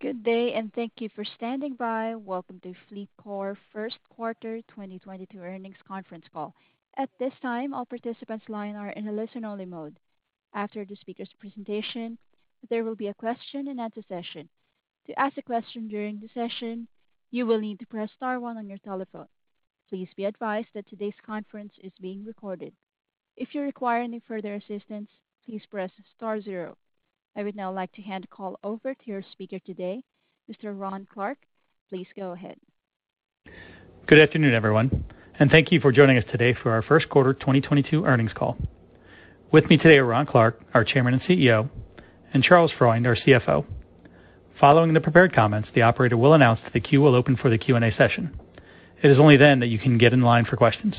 Good day, and thank you for standing by. Welcome to FleetCor First Quarter 2022 Earnings Conference Call. At this time, all participants' lines are in a listen-only mode. After the speaker's presentation, there will be a question and answer session. To ask a question during the session, you will need to press star one on your telephone. Please be advised that today's conference is being recorded. If you require any further assistance, please press star zero. I would now like to hand the call over to your speaker today, Mr. Ron Clarke. Please go ahead. Good afternoon, everyone, and thank you for joining us today for our first quarter 2022 earnings call. With me today are Ron Clarke, our Chairman and CEO, and Charles Freund, our CFO. Following the prepared comments, the operator will announce that the queue will open for the Q&A session. It is only then that you can get in line for questions.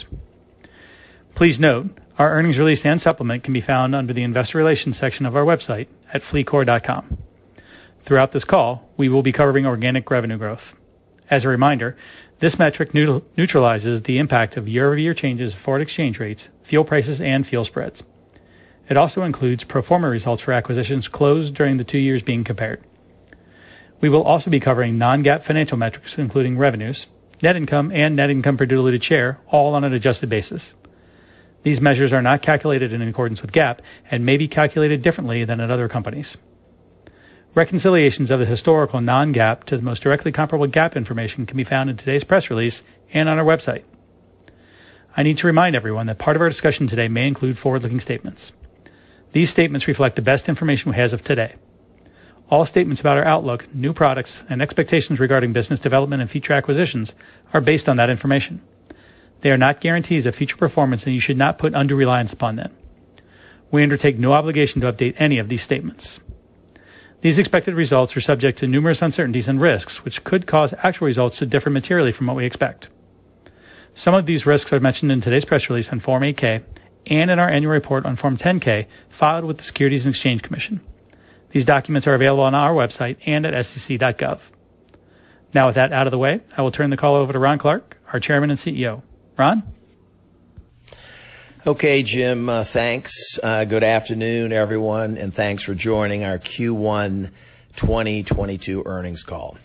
Please note our earnings release and supplement can be found under the Investor Relations section of our website at fleetcor.com. Throughout this call, we will be covering organic revenue growth. As a reminder, this metric neutralizes the impact of year-over-year changes, foreign exchange rates, fuel prices, and fuel spreads. It also includes pro forma results for acquisitions closed during the two years being compared. We will also be covering non-GAAP financial metrics, including revenues, net income, and net income per diluted share, all on an adjusted basis. These measures are not calculated in accordance with GAAP and may be calculated differently than at other companies. Reconciliations of the historical non-GAAP to the most directly comparable GAAP information can be found in today's press release and on our website. I need to remind everyone that part of our discussion today may include forward-looking statements. These statements reflect the best information we have as of today. All statements about our outlook, new products, and expectations regarding business development and future acquisitions are based on that information. They are not guarantees of future performance, and you should not put undue reliance upon them. We undertake no obligation to update any of these statements. These expected results are subject to numerous uncertainties and risks, which could cause actual results to differ materially from what we expect. Some of these risks are mentioned in today's press release on Form 8-K and in our Annual Report on Form 10-K filed with the Securities and Exchange Commission. These documents are available on our website and at sec.gov. Now, with that out of the way, I will turn the call over to Ron Clarke, our Chairman and CEO. Ron? Okay, Jim, thanks. Good afternoon, everyone, and thanks for joining our Q1 2022 earnings call.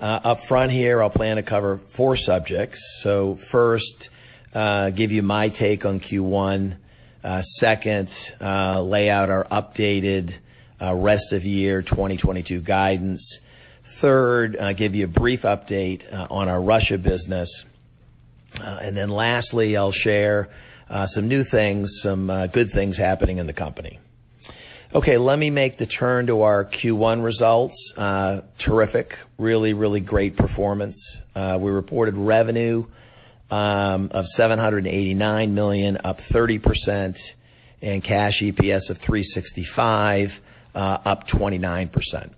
Up front here, I'll plan to cover four subjects. First, give you my take on Q1. Second, lay out our updated rest of year 2022 guidance. Third, give you a brief update on our Russia business. Then lastly, I'll share some new things, some good things happening in the company. Okay, let me make the turn to our Q1 results. Terrific. Really, really great performance. We reported revenue of $789 million, up 30%, and cash EPS of $3.65, up 29%.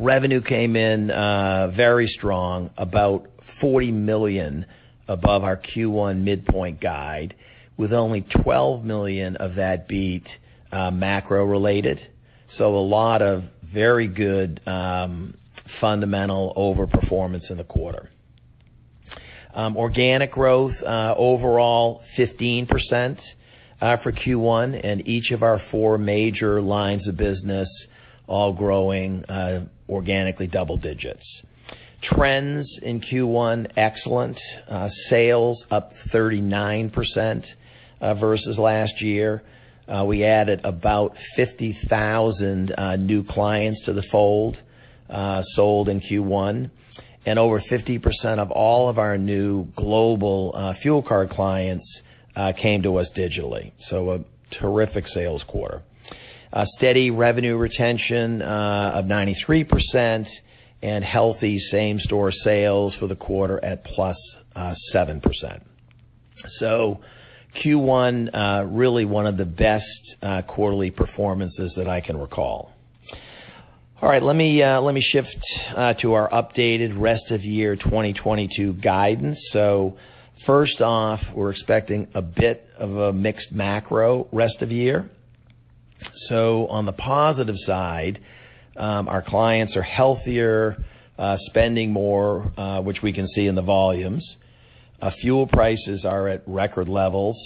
Revenue came in very strong, about $40 million above our Q1 midpoint guide, with only $12 million of that beat macro-related. A lot of very good fundamental overperformance in the quarter. Organic growth overall 15% for Q1, and each of our four major lines of business all growing organically double digits. Trends in Q1, excellent. Sales up 39% versus last year. We added about 50,000 new clients to the fold sold in Q1, and over 50% of all of our new global fuel card clients came to us digitally. A terrific sales quarter. A steady revenue retention of 93% and healthy same-store sales for the quarter at plus 7%. Q1 really one of the best quarterly performances that I can recall. All right. Let me shift to our updated rest of year 2022 guidance. First off, we're expecting a bit of a mixed macro rest of year. On the positive side, our clients are healthier, spending more, which we can see in the volumes. Fuel prices are at record levels,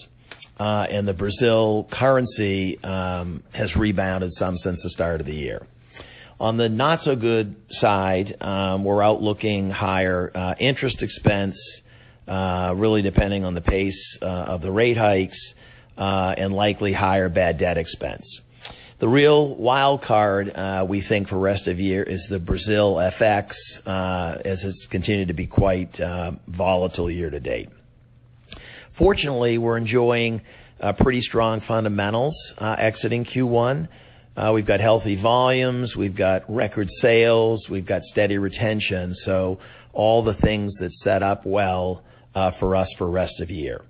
and the Brazil currency has rebounded some since the start of the year. On the not so good side, we're expecting higher interest expense, really depending on the pace of the rate hikes, and likely higher bad debt expense. The real wild card, we think, for rest of year is the Brazil FX, as it's continued to be quite volatile year to date. Fortunately, we're enjoying pretty strong fundamentals exiting Q1. We've got healthy volumes, we've got record sales, we've got steady retention, so all the things that set up well for us for rest of year.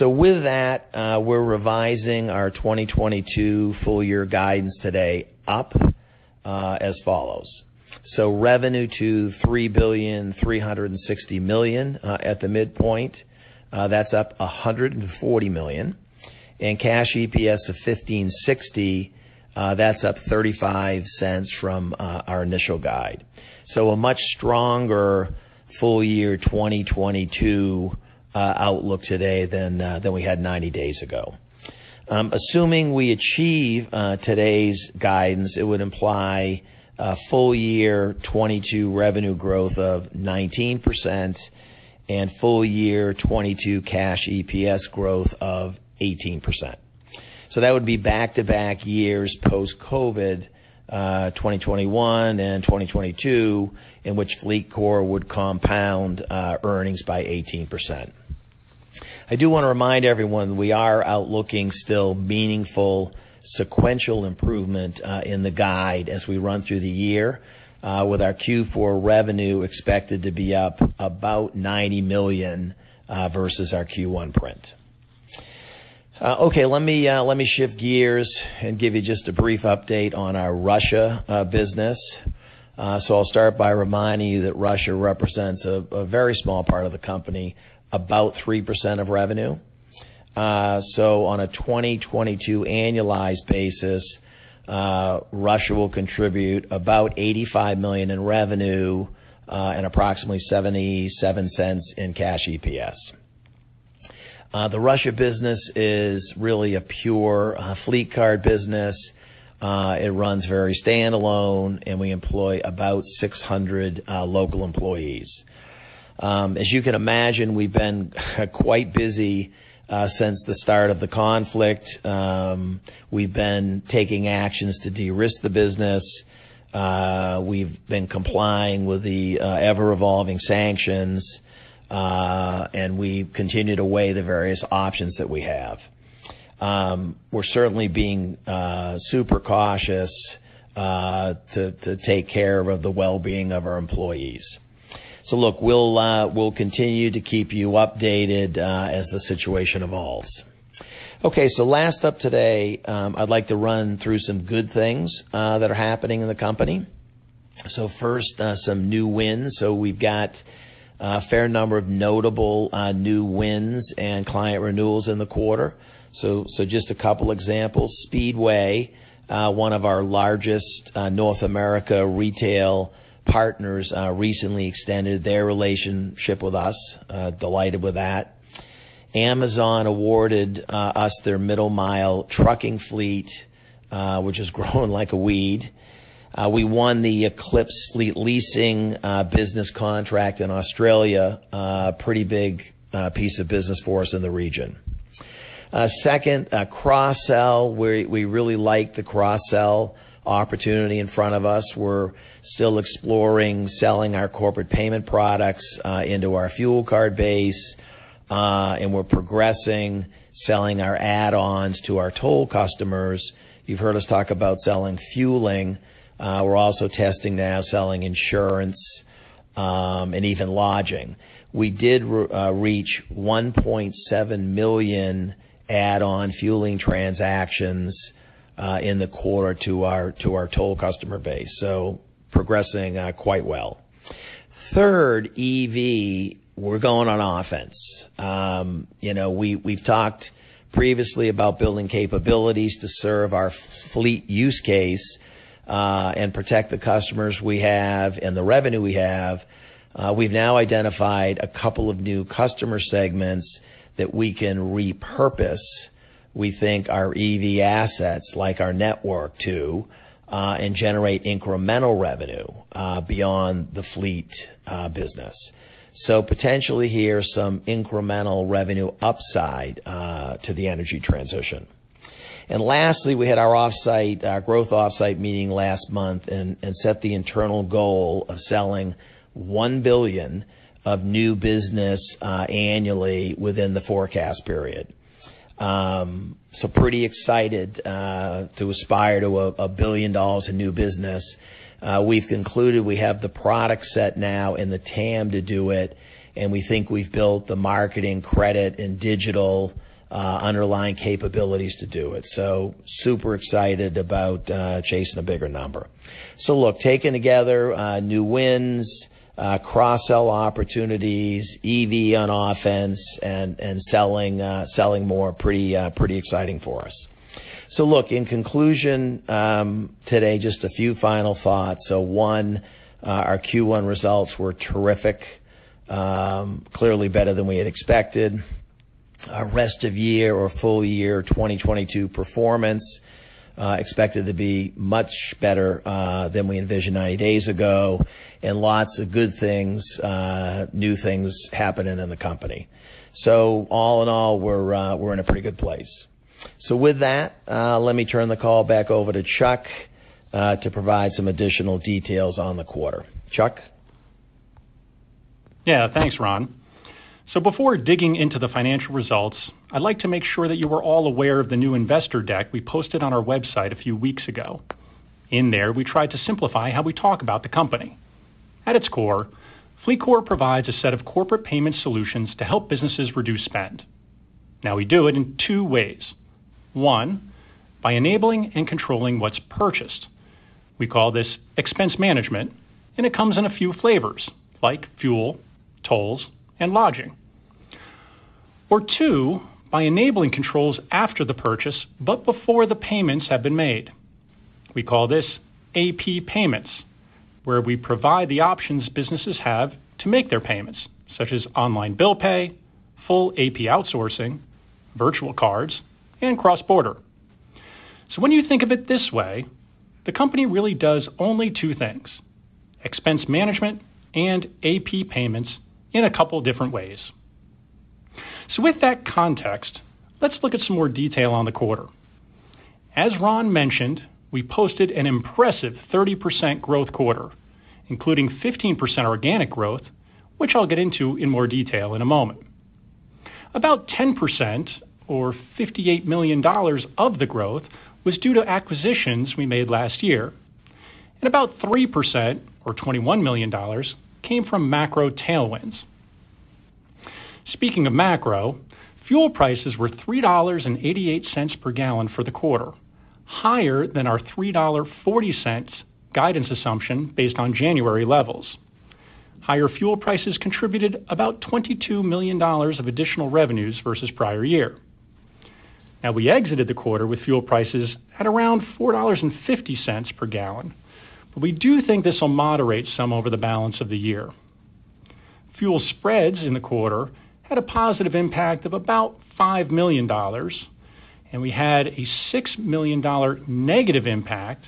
With that, we're revising our 2022 full year guidance today up as follows. Revenue to $3.36 billion at the midpoint, that's up $140 million. Cash EPS of $15.60, that's up $0.35 from our initial guide. A much stronger full year 2022 outlook today than we had 90 days ago. Assuming we achieve today's guidance, it would imply a full year 2022 revenue growth of 19% and full year 2022 cash EPS growth of 18%. That would be back-to-back years post-COVID, 2021 and 2022, in which FleetCor would compound earnings by 18%. I do wanna remind everyone, we are outlooking still meaningful sequential improvement in the guide as we run through the year with our Q4 revenue expected to be up about $90 million versus our Q1 print. Okay, let me shift gears and give you just a brief update on our Russia business. I'll start by reminding you that Russia represents a very small part of the company, about 3% of revenue. On a 2022 annualized basis, Russia will contribute about $85 million in revenue and approximately $0.77 in cash EPS. The Russia business is really a pure fleet card business. It runs very standalone, and we employ about 600 local employees. As you can imagine, we've been quite busy since the start of the conflict. We've been taking actions to de-risk the business. We've been complying with the ever-evolving sanctions. We've continued to weigh the various options that we have. We're certainly being super cautious to take care of the well-being of our employees. Look, we'll continue to keep you updated as the situation evolves. Okay. Last up today, I'd like to run through some good things that are happening in the company. First, some new wins. We've got a fair number of notable new wins and client renewals in the quarter. Just a couple examples. Speedway, one of our largest, North American retail partners, recently extended their relationship with us. Delighted with that. Amazon awarded us their middle mile trucking fleet, which has grown like a weed. We won the Eclipx fleet leasing business contract in Australia, pretty big piece of business for us in the region. Second, cross-sell. We really like the cross-sell opportunity in front of us. We're still exploring selling our corporate payment products into our fuel card base, and we're progressing selling our add-ons to our toll customers. You've heard us talk about selling fuel. We're also testing now selling insurance and even lodging. We did reach 1.7 million add-on fuel transactions in the quarter to our toll customer base, so progressing quite well. Third, EV, we're going on offense. You know, we've talked previously about building capabilities to serve our fleet use case and protect the customers we have and the revenue we have. We've now identified a couple of new customer segments that we can repurpose, we think, our EV assets like our network to and generate incremental revenue beyond the fleet business. Potentially here some incremental revenue upside to the energy transition. Lastly, we had our growth offsite meeting last month and set the internal goal of selling $1 billion of new business annually within the forecast period. Pretty excited to aspire to a $1 billion in new business. We've concluded we have the product set now and the TAM to do it, and we think we've built the marketing credit and digital underlying capabilities to do it. Super excited about chasing a bigger number. Look, taken together, new wins, cross-sell opportunities, EV on offense, and selling more, pretty exciting for us. Look, in conclusion, today, just a few final thoughts. One, our Q1 results were terrific. Clearly better than we had expected. Our rest of year or full year 2022 performance expected to be much better than we envisioned 90 days ago, and lots of good things, new things happening in the company. All in all, we're in a pretty good place. With that, let me turn the call back over to Chuck, to provide some additional details on the quarter. Chuck? Yeah. Thanks, Ron. Before digging into the financial results, I'd like to make sure that you were all aware of the new investor deck we posted on our website a few weeks ago. In there, we tried to simplify how we talk about the company. At its core, FleetCor provides a set of corporate payment solutions to help businesses reduce spend. Now we do it in two ways. One, by enabling and controlling what's purchased. We call this expense management, and it comes in a few flavors like fuel, tolls, and lodging. Or two, by enabling controls after the purchase, but before the payments have been made. We call this AP payments, where we provide the options businesses have to make their payments, such as online bill pay, full AP outsourcing, virtual cards, and cross-border. When you think of it this way, the company really does only two things, expense management and AP payments in a couple different ways. With that context, let's look at some more detail on the quarter. As Ron mentioned, we posted an impressive 30% growth quarter, including 15% organic growth, which I'll get into in more detail in a moment. About 10% or $58 million of the growth was due to acquisitions we made last year, and about 3% or $21 million came from macro tailwinds. Speaking of macro, fuel prices were $3.88 per gallon for the quarter, higher than our $3.40 guidance assumption based on January levels. Higher fuel prices contributed about $22 million of additional revenues versus prior year. We exited the quarter with fuel prices at around $4.50 per gallon, but we do think this will moderate some over the balance of the year. Fuel spreads in the quarter had a positive impact of about $5 million, and we had a $6 million negative impact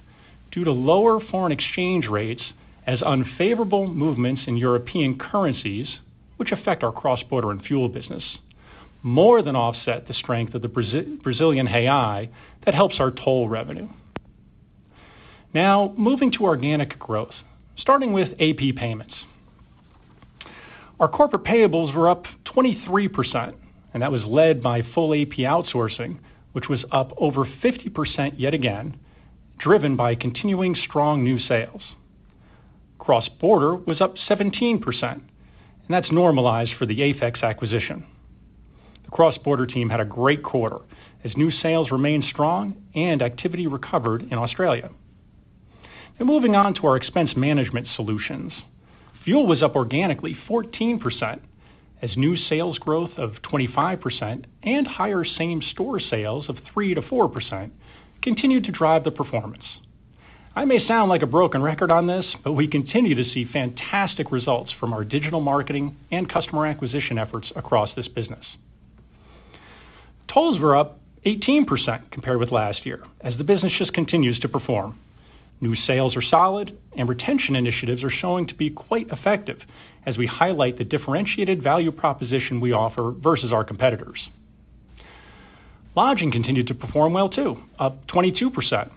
due to lower foreign exchange rates as unfavorable movements in European currencies, which affect our cross-border and fuel business, more than offset the strength of the Brazilian real that helps our toll revenue. Moving to organic growth, starting with AP payments. Our corporate payables were up 23%, and that was led by full AP outsourcing, which was up over 50% yet again, driven by continuing strong new sales. Cross-border was up 17%, and that's normalized for the AFEX acquisition. The cross-border team had a great quarter as new sales remained strong and activity recovered in Australia. Now moving on to our expense management solutions. Fuel was up organically 14% as new sales growth of 25% and higher same-store sales of 3%-4% continued to drive the performance. I may sound like a broken record on this, but we continue to see fantastic results from our digital marketing and customer acquisition efforts across this business. Tolls were up 18% compared with last year as the business just continues to perform. New sales are solid, and retention initiatives are showing to be quite effective as we highlight the differentiated value proposition we offer versus our competitors. Lodging continued to perform well too, up 22%.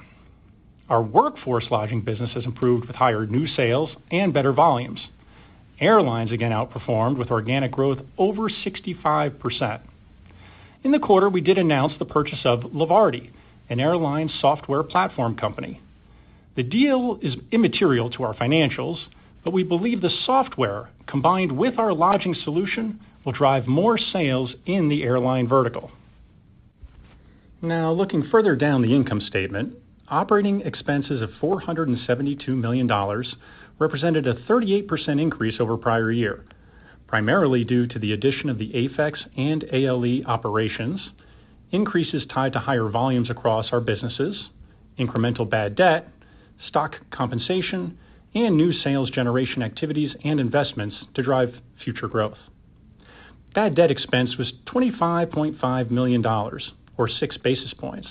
Our workforce lodging business has improved with higher new sales and better volumes. Airlines again outperformed with organic growth over 65%. In the quarter, we did announce the purchase of Levarti, an airline software platform company. The deal is immaterial to our financials, but we believe the software, combined with our lodging solution, will drive more sales in the airline vertical. Now looking further down the income statement, operating expenses of $472 million represented a 38% increase over prior year, primarily due to the addition of the AFEX and ALE operations, increases tied to higher volumes across our businesses, incremental bad debt, stock compensation, and new sales generation activities and investments to drive future growth. Bad debt expense was $25.5 million or 6 basis points,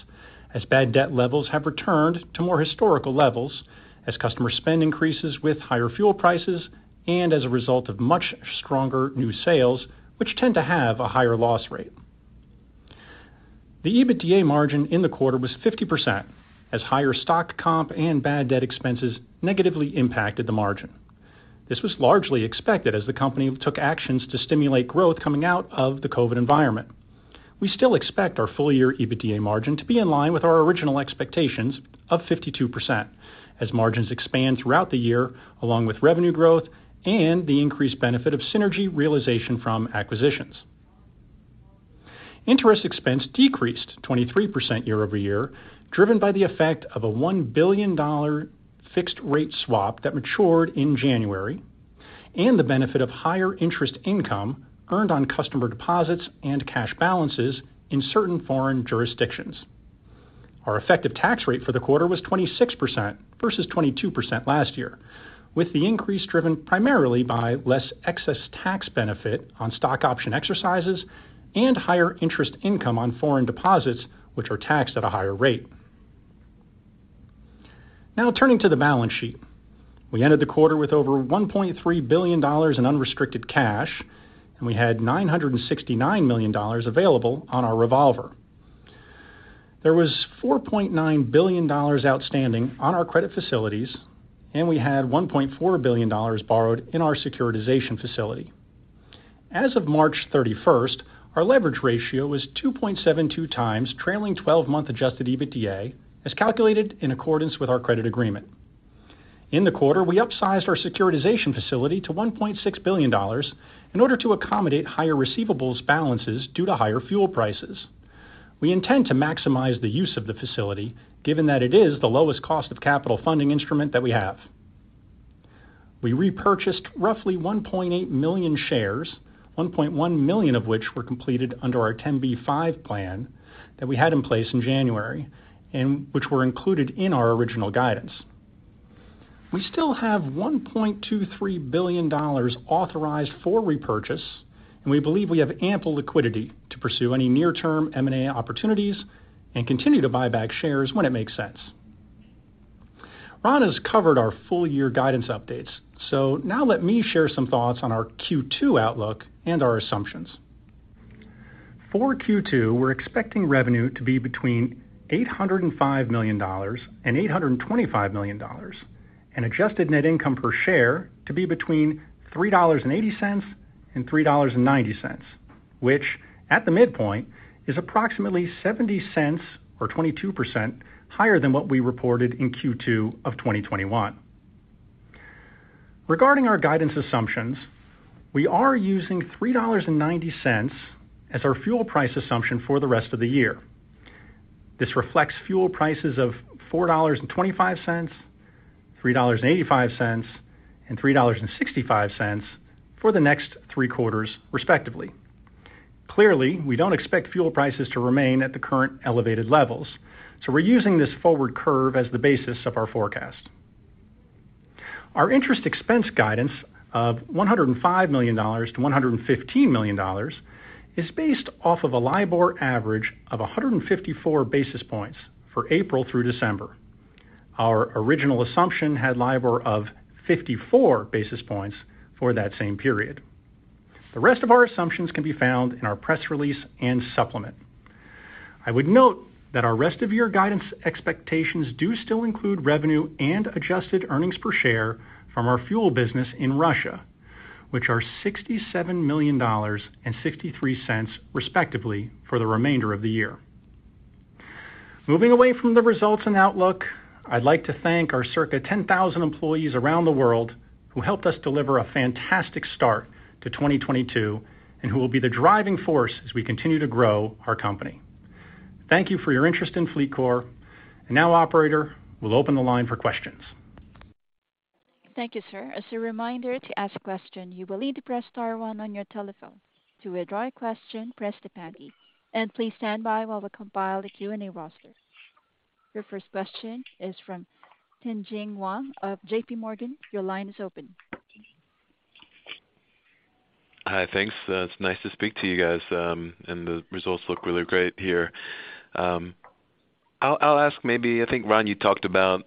as bad debt levels have returned to more historical levels as customer spend increases with higher fuel prices and as a result of much stronger new sales, which tend to have a higher loss rate. The EBITDA margin in the quarter was 50% as higher stock comp and bad debt expenses negatively impacted the margin. This was largely expected as the company took actions to stimulate growth coming out of the COVID environment. We still expect our full year EBITDA margin to be in line with our original expectations of 52% as margins expand throughout the year, along with revenue growth and the increased benefit of synergy realization from acquisitions. Interest expense decreased 23% year-over-year, driven by the effect of a $1 billion fixed rate swap that matured in January and the benefit of higher interest income earned on customer deposits and cash balances in certain foreign jurisdictions. Our effective tax rate for the quarter was 26% versus 22% last year, with the increase driven primarily by less excess tax benefit on stock option exercises and higher interest income on foreign deposits, which are taxed at a higher rate. Now turning to the balance sheet. We ended the quarter with over $1.3 billion in unrestricted cash, and we had $969 million available on our revolver. There was $4.9 billion outstanding on our credit facilities, and we had $1.4 billion borrowed in our securitization facility. As of March 31th, our leverage ratio was 2.72x trailing 12-month adjusted EBITDA, as calculated in accordance with our credit agreement. In the quarter, we upsized our securitization facility to $1.6 billion in order to accommodate higher receivables balances due to higher fuel prices. We intend to maximize the use of the facility, given that it is the lowest cost of capital funding instrument that we have. We repurchased roughly 1.8 million shares, 1.1 million of which were completed under our 10b5-1 plan that we had in place in January, and which were included in our original guidance. We still have $1.23 billion authorized for repurchase, and we believe we have ample liquidity to pursue any near-term M&A opportunities and continue to buy back shares when it makes sense. Ron has covered our full year guidance updates. Now let me share some thoughts on our Q2 outlook and our assumptions. For Q2, we're expecting revenue to be between $805 million and $825 million, and adjusted net income per share to be between $3.80 and $3.90, which at the midpoint is approximately $0.70 or 22% higher than what we reported in Q2 of 2021. Regarding our guidance assumptions, we are using $3.90 as our fuel price assumption for the rest of the year. This reflects fuel prices of $4.25, $3.85, and $3.65 for the next three quarters, respectively. Clearly, we don't expect fuel prices to remain at the current elevated levels, so we're using this forward curve as the basis of our forecast. Our interest expense guidance of $105 million-$115 million is based off of a LIBOR average of 154 basis points for April through December. Our original assumption had LIBOR of 54 basis points for that same period. The rest of our assumptions can be found in our press release and supplement. I would note that our rest of year guidance expectations do still include revenue and adjusted earnings per share from our fuel business in Russia, which are $67 million and $0.63, respectively, for the remainder of the year. Moving away from the results and outlook, I'd like to thank our circa 10,000 employees around the world who helped us deliver a fantastic start to 2022, and who will be the driving force as we continue to grow our company. Thank you for your interest in FleetCor. Now, operator, we'll open the line for questions. Thank you, sir. As a reminder, to ask a question, you will need to press star one on your telephone. To withdraw a question, press the pound key. Please stand by while we compile the Q&A roster. Your first question is from Tien-Tsin Huang of JPMorgan. Your line is open. Hi. Thanks. It's nice to speak to you guys, and the results look really great here. I'll ask maybe, I think, Ron, you talked about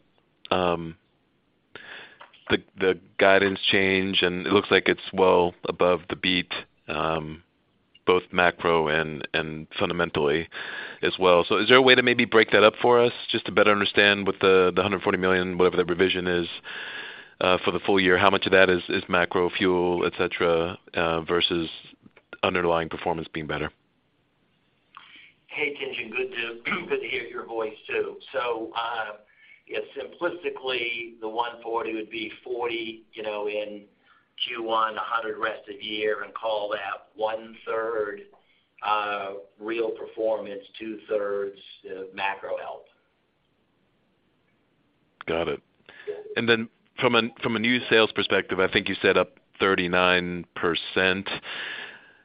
the guidance change, and it looks like it's well above the beat, both macro and fundamentally as well. Is there a way to maybe break that up for us just to better understand what the $140 million, whatever the revision is, for the full year, how much of that is macro fuel, et cetera, versus underlying performance being better? Hey, Tien-Tsin. Good to hear your voice too. Yeah, simplistically, the $140 million would be $40 million, you know, in Q1, $100 million rest of year and call that 1/3 real performance, 2/3 macro health. Got it. From a new sales perspective, I think you said up 39%.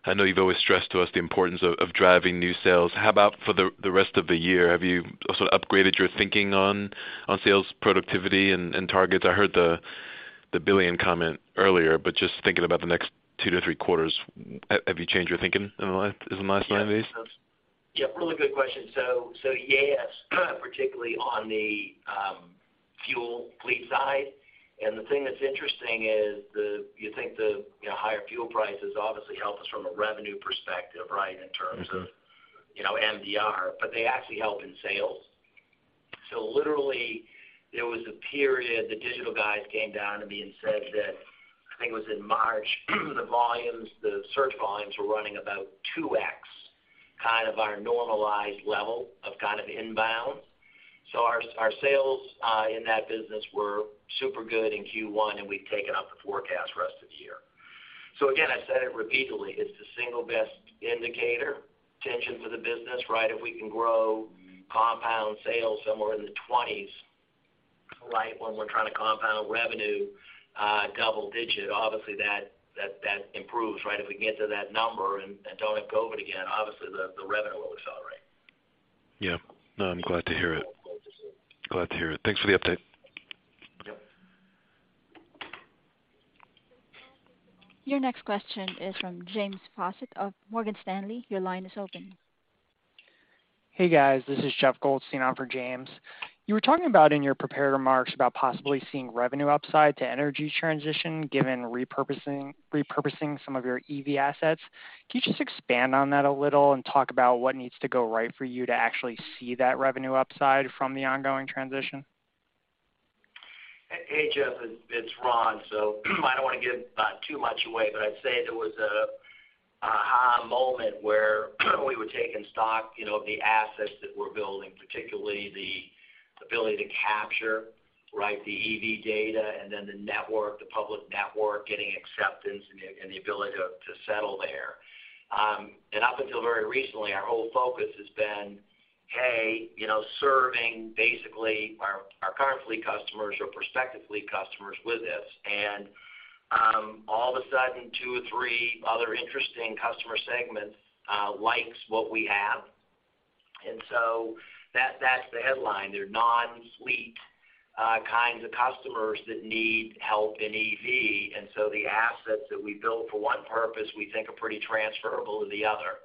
I know you've always stressed to us the importance of driving new sales. How about for the rest of the year? Have you also upgraded your thinking on sales productivity and targets? I heard the billion comment earlier, but just thinking about the next two to three quarters, have you changed your thinking in the last 90 days? Yeah. Really good question. Yes, particularly on the fuel fleet side. The thing that's interesting is you think the, you know, higher fuel prices obviously help us from a revenue perspective, right? In terms of. Mm-hmm. You know, MDR, but they actually help in sales. Literally, there was a period the digital guys came down to me and said that, I think it was in March, the volumes, the search volumes were running about 2x, kind of our normalized level of kind of inbound. Our sales in that business were super good in Q1, and we've taken up the forecast for the rest of the year. Again, I said it repeatedly, it's the single best indicator, Tien-Tsin, for the business, right? If we can grow compound sales somewhere in the 20s, right? When we're trying to compound revenue double digit, obviously that improves, right? If we can get to that number and don't have COVID again, obviously the revenue will accelerate. Yeah. No, I'm glad to hear it. Glad to see it. Glad to hear it. Thanks for the update. Yep. Your next question is from James Faucette of Morgan Stanley. Your line is open. Hey, guys. This is Jeff Goldstein on for James. You were talking about in your prepared remarks about possibly seeing revenue upside to energy transition given repurposing some of your EV assets. Can you just expand on that a little and talk about what needs to go right for you to actually see that revenue upside from the ongoing transition? Hey, Jeff. It's Ron. I don't want to give too much away, but I'd say there was a aha moment where we were taking stock, you know, of the assets that we're building, particularly the ability to capture, right, the EV data and then the network, the public network getting acceptance and the ability to settle there. Up until very recently, our whole focus has been on, you know, serving basically our current fleet customers or prospective fleet customers with this. All of a sudden, two or three other interesting customer segments like what we have. That's the headline. They're non-fleet kinds of customers that need help in EV. The assets that we built for one purpose, we think are pretty transferable to the other.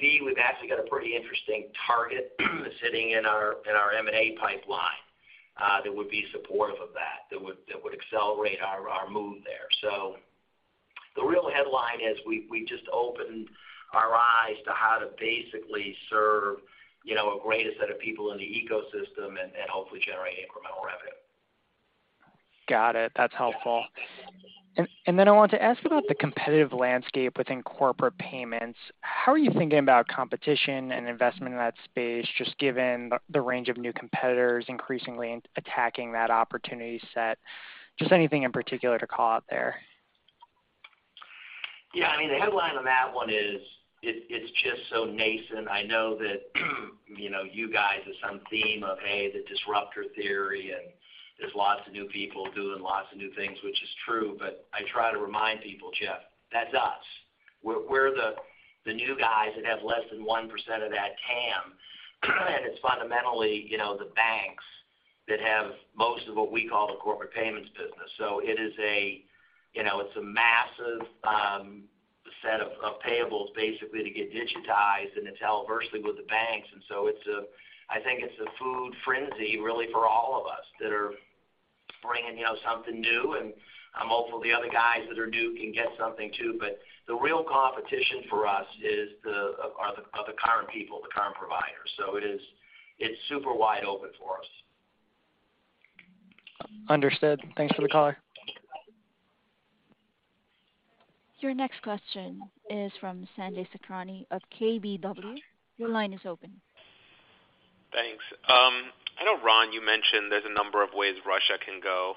B, we've actually got a pretty interesting target sitting in our M&A pipeline that would be supportive of that would accelerate our move there. The real headline is we just opened our eyes to how to basically serve, you know, a greater set of people in the ecosystem and hopefully generate incremental revenue. Got it. That's helpful. I wanted to ask about the competitive landscape within corporate payments. How are you thinking about competition and investment in that space, just given the range of new competitors increasingly attacking that opportunity set? Just anything in particular to call out there. Yeah. I mean, the headline on that one is. It's just so nascent. I know that, you know, you guys have some theme of, hey, the disruptor theory, and there's lots of new people doing lots of new things, which is true. I try to remind people, Jeff, that's us. We're the new guys that have less than 1% of that TAM. It's fundamentally, you know, the banks that have most of what we call the corporate payments business. It is, you know, a massive set of payables basically to get digitized and it's held adversely with the banks. It's, I think, a feeding frenzy really for all of us that are bringing, you know, something new, and I'm hopeful the other guys that are new can get something too. The real competition for us are the current people, the current providers. It's super wide open for us. Understood. Thanks for the color. Your next question is from Sanjay Sakhrani of KBW. Your line is open. Thanks. I know, Ron, you mentioned there's a number of ways Russia can go.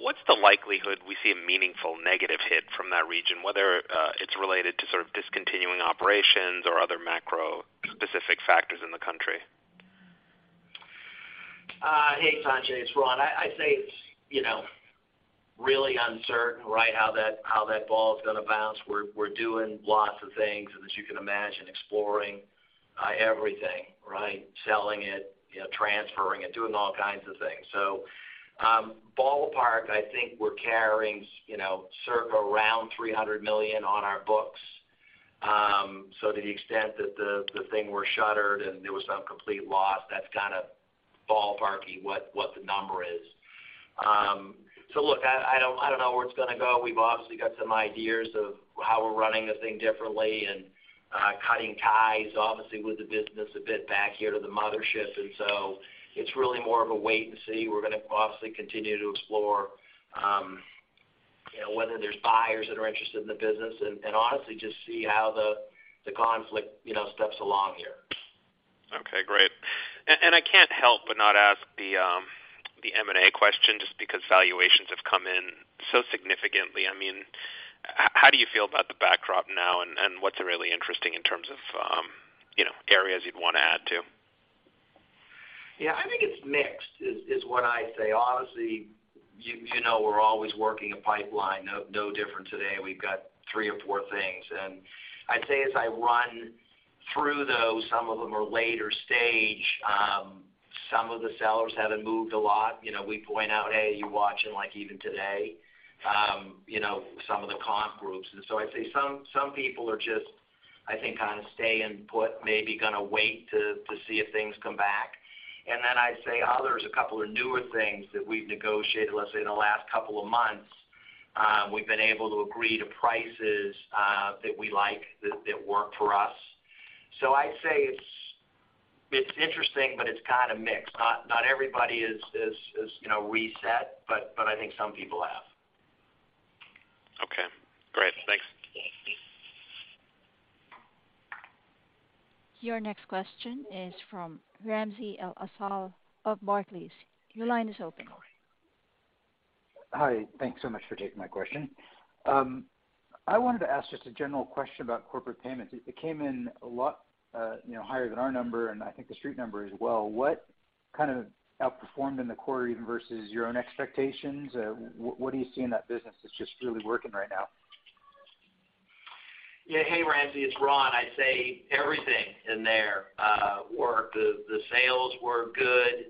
What's the likelihood we see a meaningful negative hit from that region, whether it's related to sort of discontinuing operations or other macro specific factors in the country? Hey, Sanjay, it's Ron. I'd say it's, you know, really uncertain, right, how that ball's gonna bounce. We're doing lots of things that you can imagine, exploring, everything, right? Selling it, you know, transferring it, doing all kinds of things. Ballpark, I think we're carrying, you know, circa around $300 million on our books. To the extent that the thing were shuttered and there was some complete loss, that's kind of ballpark-y what the number is. Look, I don't know where it's gonna go. We've obviously got some ideas of how we're running the thing differently and, cutting ties, obviously, with the business a bit back here to the mothership. It's really more of a wait and see. We're gonna obviously continue to explore, you know, whether there's buyers that are interested in the business and honestly just see how the conflict, you know, steps along here. Okay, great. I can't help but not ask the M&A question just because valuations have come in so significantly. I mean, how do you feel about the backdrop now, and what's really interesting in terms of, you know, areas you'd want to add to? Yeah, I think it's mixed, is what I'd say. Honestly, you know, we're always working a pipeline. No different today. We've got three or four things. I'd say as I run through those, some of them are later stage. Some of the sellers haven't moved a lot. You know, we point out, hey, you watch. Like even today, you know, some of the comp groups. I'd say some people are just, I think, kind of staying put, maybe gonna wait to see if things come back. Then I'd say others, a couple of newer things that we've negotiated, let's say in the last couple of months, we've been able to agree to prices that we like, that work for us. I'd say it's interesting, but it's kind of mixed. Not everybody is, you know, reset, but I think some people have. Okay, great. Thanks. Your next question is from Ramsey El-Assal of Barclays. Your line is open. Hi. Hi. Thanks so much for taking my question. I wanted to ask just a general question about corporate payments. It came in a lot, you know, higher than our number and I think the Street number as well. What kind outperformed in the quarter even versus your own expectations? What do you see in that business that's just really working right now? Yeah. Hey, Ramsey, it's Ron. I'd say everything in there worked. The sales were good.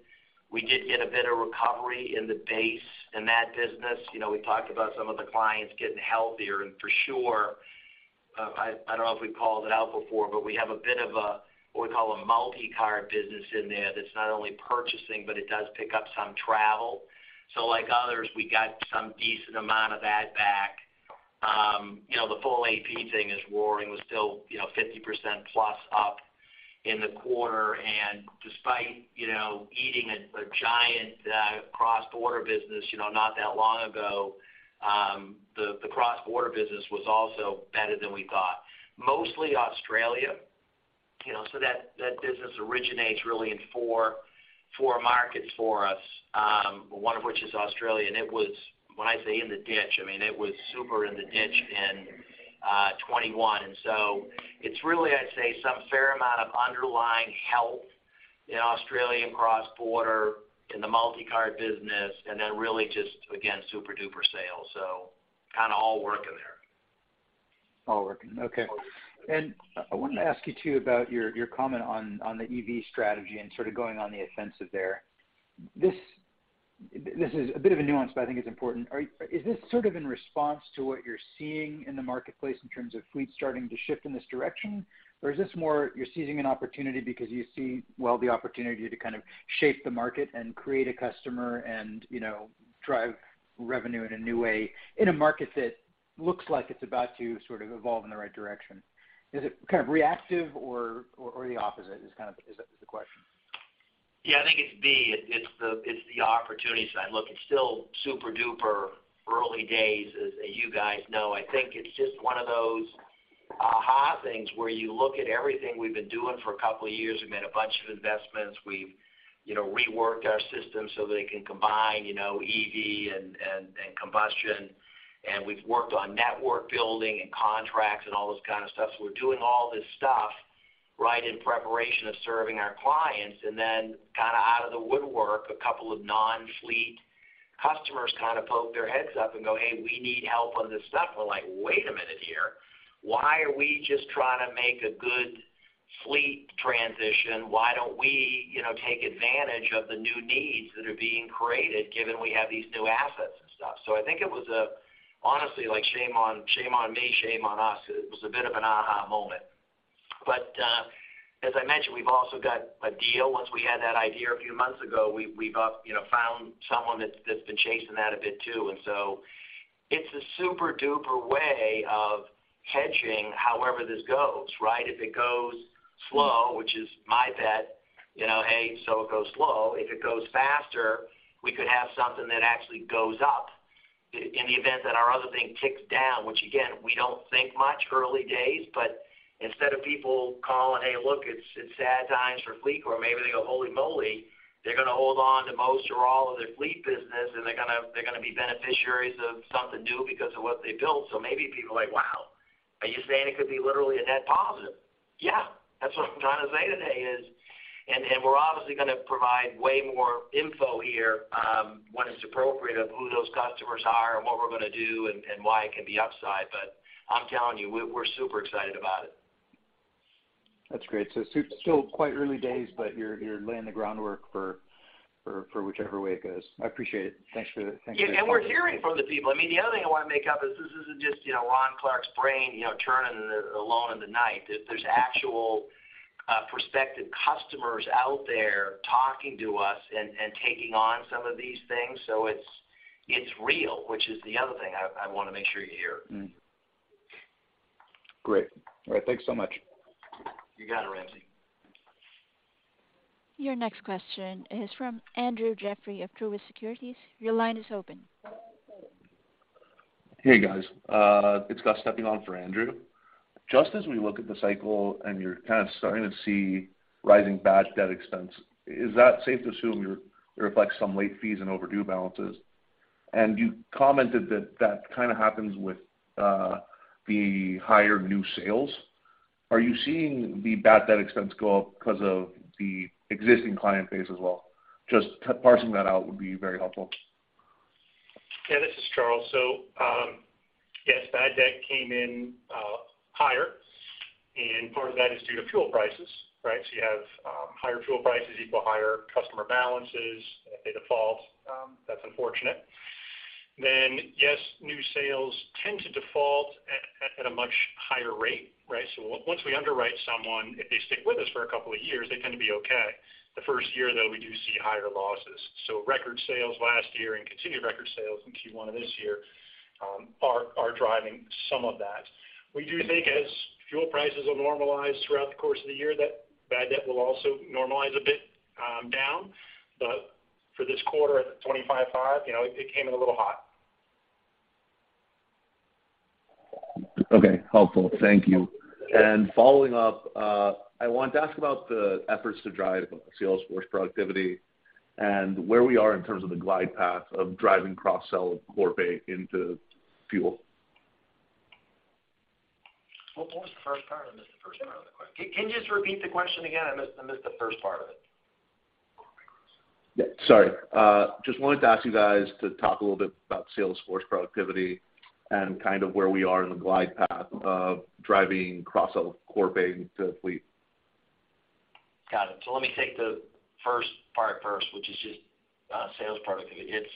We did get a bit of recovery in the base in that business. You know, we talked about some of the clients getting healthier. For sure, I don't know if we've called it out before, but we have a bit of a what we call a multi-card business in there that's not only purchasing, but it does pick up some travel. So like others, we got some decent amount of that back. You know, the full AP thing is roaring. We're still you know 50%+ up in the quarter. Despite you know eating a giant cross-border business you know not that long ago the cross-border business was also better than we thought, mostly Australia. You know, that business originates really in four markets for us, one of which is Australia, and it was, when I say in the ditch, I mean, it was super in the ditch in 2021. It's really, I'd say, some fair amount of underlying health in Australian cross-border in the multi-card business, and then really just, again, super-duper sales. Kinda all working there. All working. Okay. All working. I wanted to ask you too about your comment on the EV strategy and sort of going on the offensive there. This is a bit of a nuance, but I think it's important. Is this sort of in response to what you're seeing in the marketplace in terms of fleet starting to shift in this direction? Or is this more you're seizing an opportunity because you see, well, the opportunity to kind of shape the market and create a customer and, you know, drive revenue in a new way in a market that looks like it's about to sort of evolve in the right direction? Is it kind of reactive or the opposite? That is the question. Yeah. I think it's B. It's the opportunity side. Look, it's still super-duper early days, as you guys know. I think it's just one of those aha things where you look at everything we've been doing for a couple of years. We've made a bunch of investments. We've you know reworked our systems so they can combine you know EV and combustion. We've worked on network building and contracts and all those kind of stuff. We're doing all this stuff right in preparation of serving our clients. Then kinda out of the woodwork a couple of non-fleet customers kinda poke their heads up and go, "Hey, we need help on this stuff." We're like, "Wait a minute here. Why are we just trying to make a good fleet transition? Why don't we, you know, take advantage of the new needs that are being created given we have these new assets and stuff?" I think it was, honestly, like shame on me, shame on us. It was a bit of an aha moment. As I mentioned, we've also got a deal. Once we had that idea a few months ago, we've, you know, found someone that's been chasing that a bit, too. It's a super-duper way of hedging however this goes, right? If it goes slow, which is my bet, you know, hey, so it goes slow. If it goes faster, we could have something that actually goes up in the event that our other thing ticks down, which again, we don't think much early days, but instead of people calling, "Hey, look, it's sad times for fleet," or maybe they go, "Holy moly," they're gonna hold on to most or all of their fleet business, and they're gonna be beneficiaries of something new because of what they built. Maybe people are like, "Wow. Are you saying it could be literally a net positive?" Yeah, that's what I'm trying to say today. We're obviously gonna provide way more info here when it's appropriate of who those customers are and what we're gonna do and why it can be upside. I'm telling you, we're super excited about it. That's great. Still quite early days, but you're laying the groundwork for whichever way it goes. I appreciate it. Thanks for the comment. Yeah. We're hearing from the people. I mean, the other thing I wanna make up is this isn't just, you know, Ron Clarke's brain, you know, turning alone in the night. There's actual prospective customers out there talking to us and taking on some of these things, so it's real, which is the other thing I wanna make sure you hear. Great. All right. Thanks so much. You got it, Ramsey. Your next question is from Andrew Jeffrey of Truist Securities. Your line is open. Hey, guys. It's Gus stepping on for Andrew. Just as we look at the cycle and you're kind of starting to see rising bad debt expense, is that safe to assume it reflects some late fees and overdue balances? You commented that that kinda happens with the higher new sales. Are you seeing the bad debt expense go up 'cause of the existing client base as well? Just parsing that out would be very helpful. Yeah, this is Charles. Yes, bad debt came in higher, and part of that is due to fuel prices, right? You have higher fuel prices equal higher customer balances. If they default, that's unfortunate. Yes, new sales tend to default at a much higher rate, right? Once we underwrite someone, if they stick with us for a couple of years, they tend to be okay. The first year, though, we do see higher losses. Record sales last year and continued record sales in Q1 of this year are driving some of that. We do think as fuel prices will normalize throughout the course of the year, that bad debt will also normalize a bit down. For this quarter at 25.5, you know, it came in a little hot. Okay. Helpful. Thank you. Following up, I want to ask about the efforts to drive Salesforce productivity and where we are in terms of the glide path of driving cross-sell core bank into fuel. What was the first part? I missed the first part of the question. Can you just repeat the question again? I missed the first part of it. Yeah. Sorry. Just wanted to ask you guys to talk a little bit about Salesforce productivity and kind of where we are in the glide path of driving cross-sell core bank to fleet. Got it. Let me take the first part first, which is just sales productivity. It's,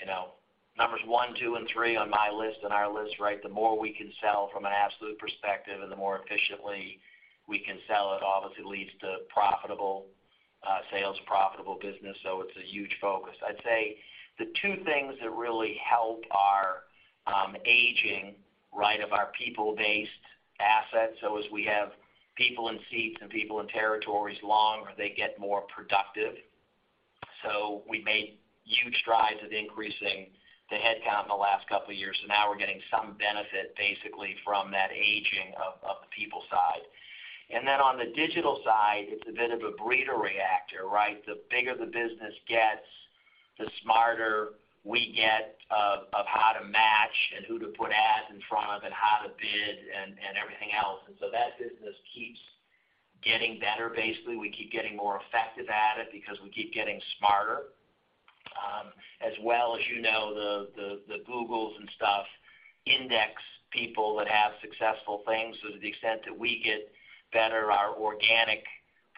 you know, numbers one, two, and three on my list and our list, right? The more we can sell from an absolute perspective and the more efficiently we can sell, it obviously leads to profitable sales, profitable business. It's a huge focus. I'd say the two things that really help are aging, right, of our people-based assets. As we have people in seats and people in territories longer, they get more productive. We made huge strides in increasing the headcount in the last couple of years. Now we're getting some benefit basically from that aging of the people side. Then on the digital side, it's a bit of a breeder reactor, right? The bigger the business gets, the smarter we get at how to match and who to put ads in front of and how to bid and everything else. That business keeps getting better. Basically, we keep getting more effective at it because we keep getting smarter. As well as, you know, the Google and stuff index people that have successful things. To the extent that we get better, our organic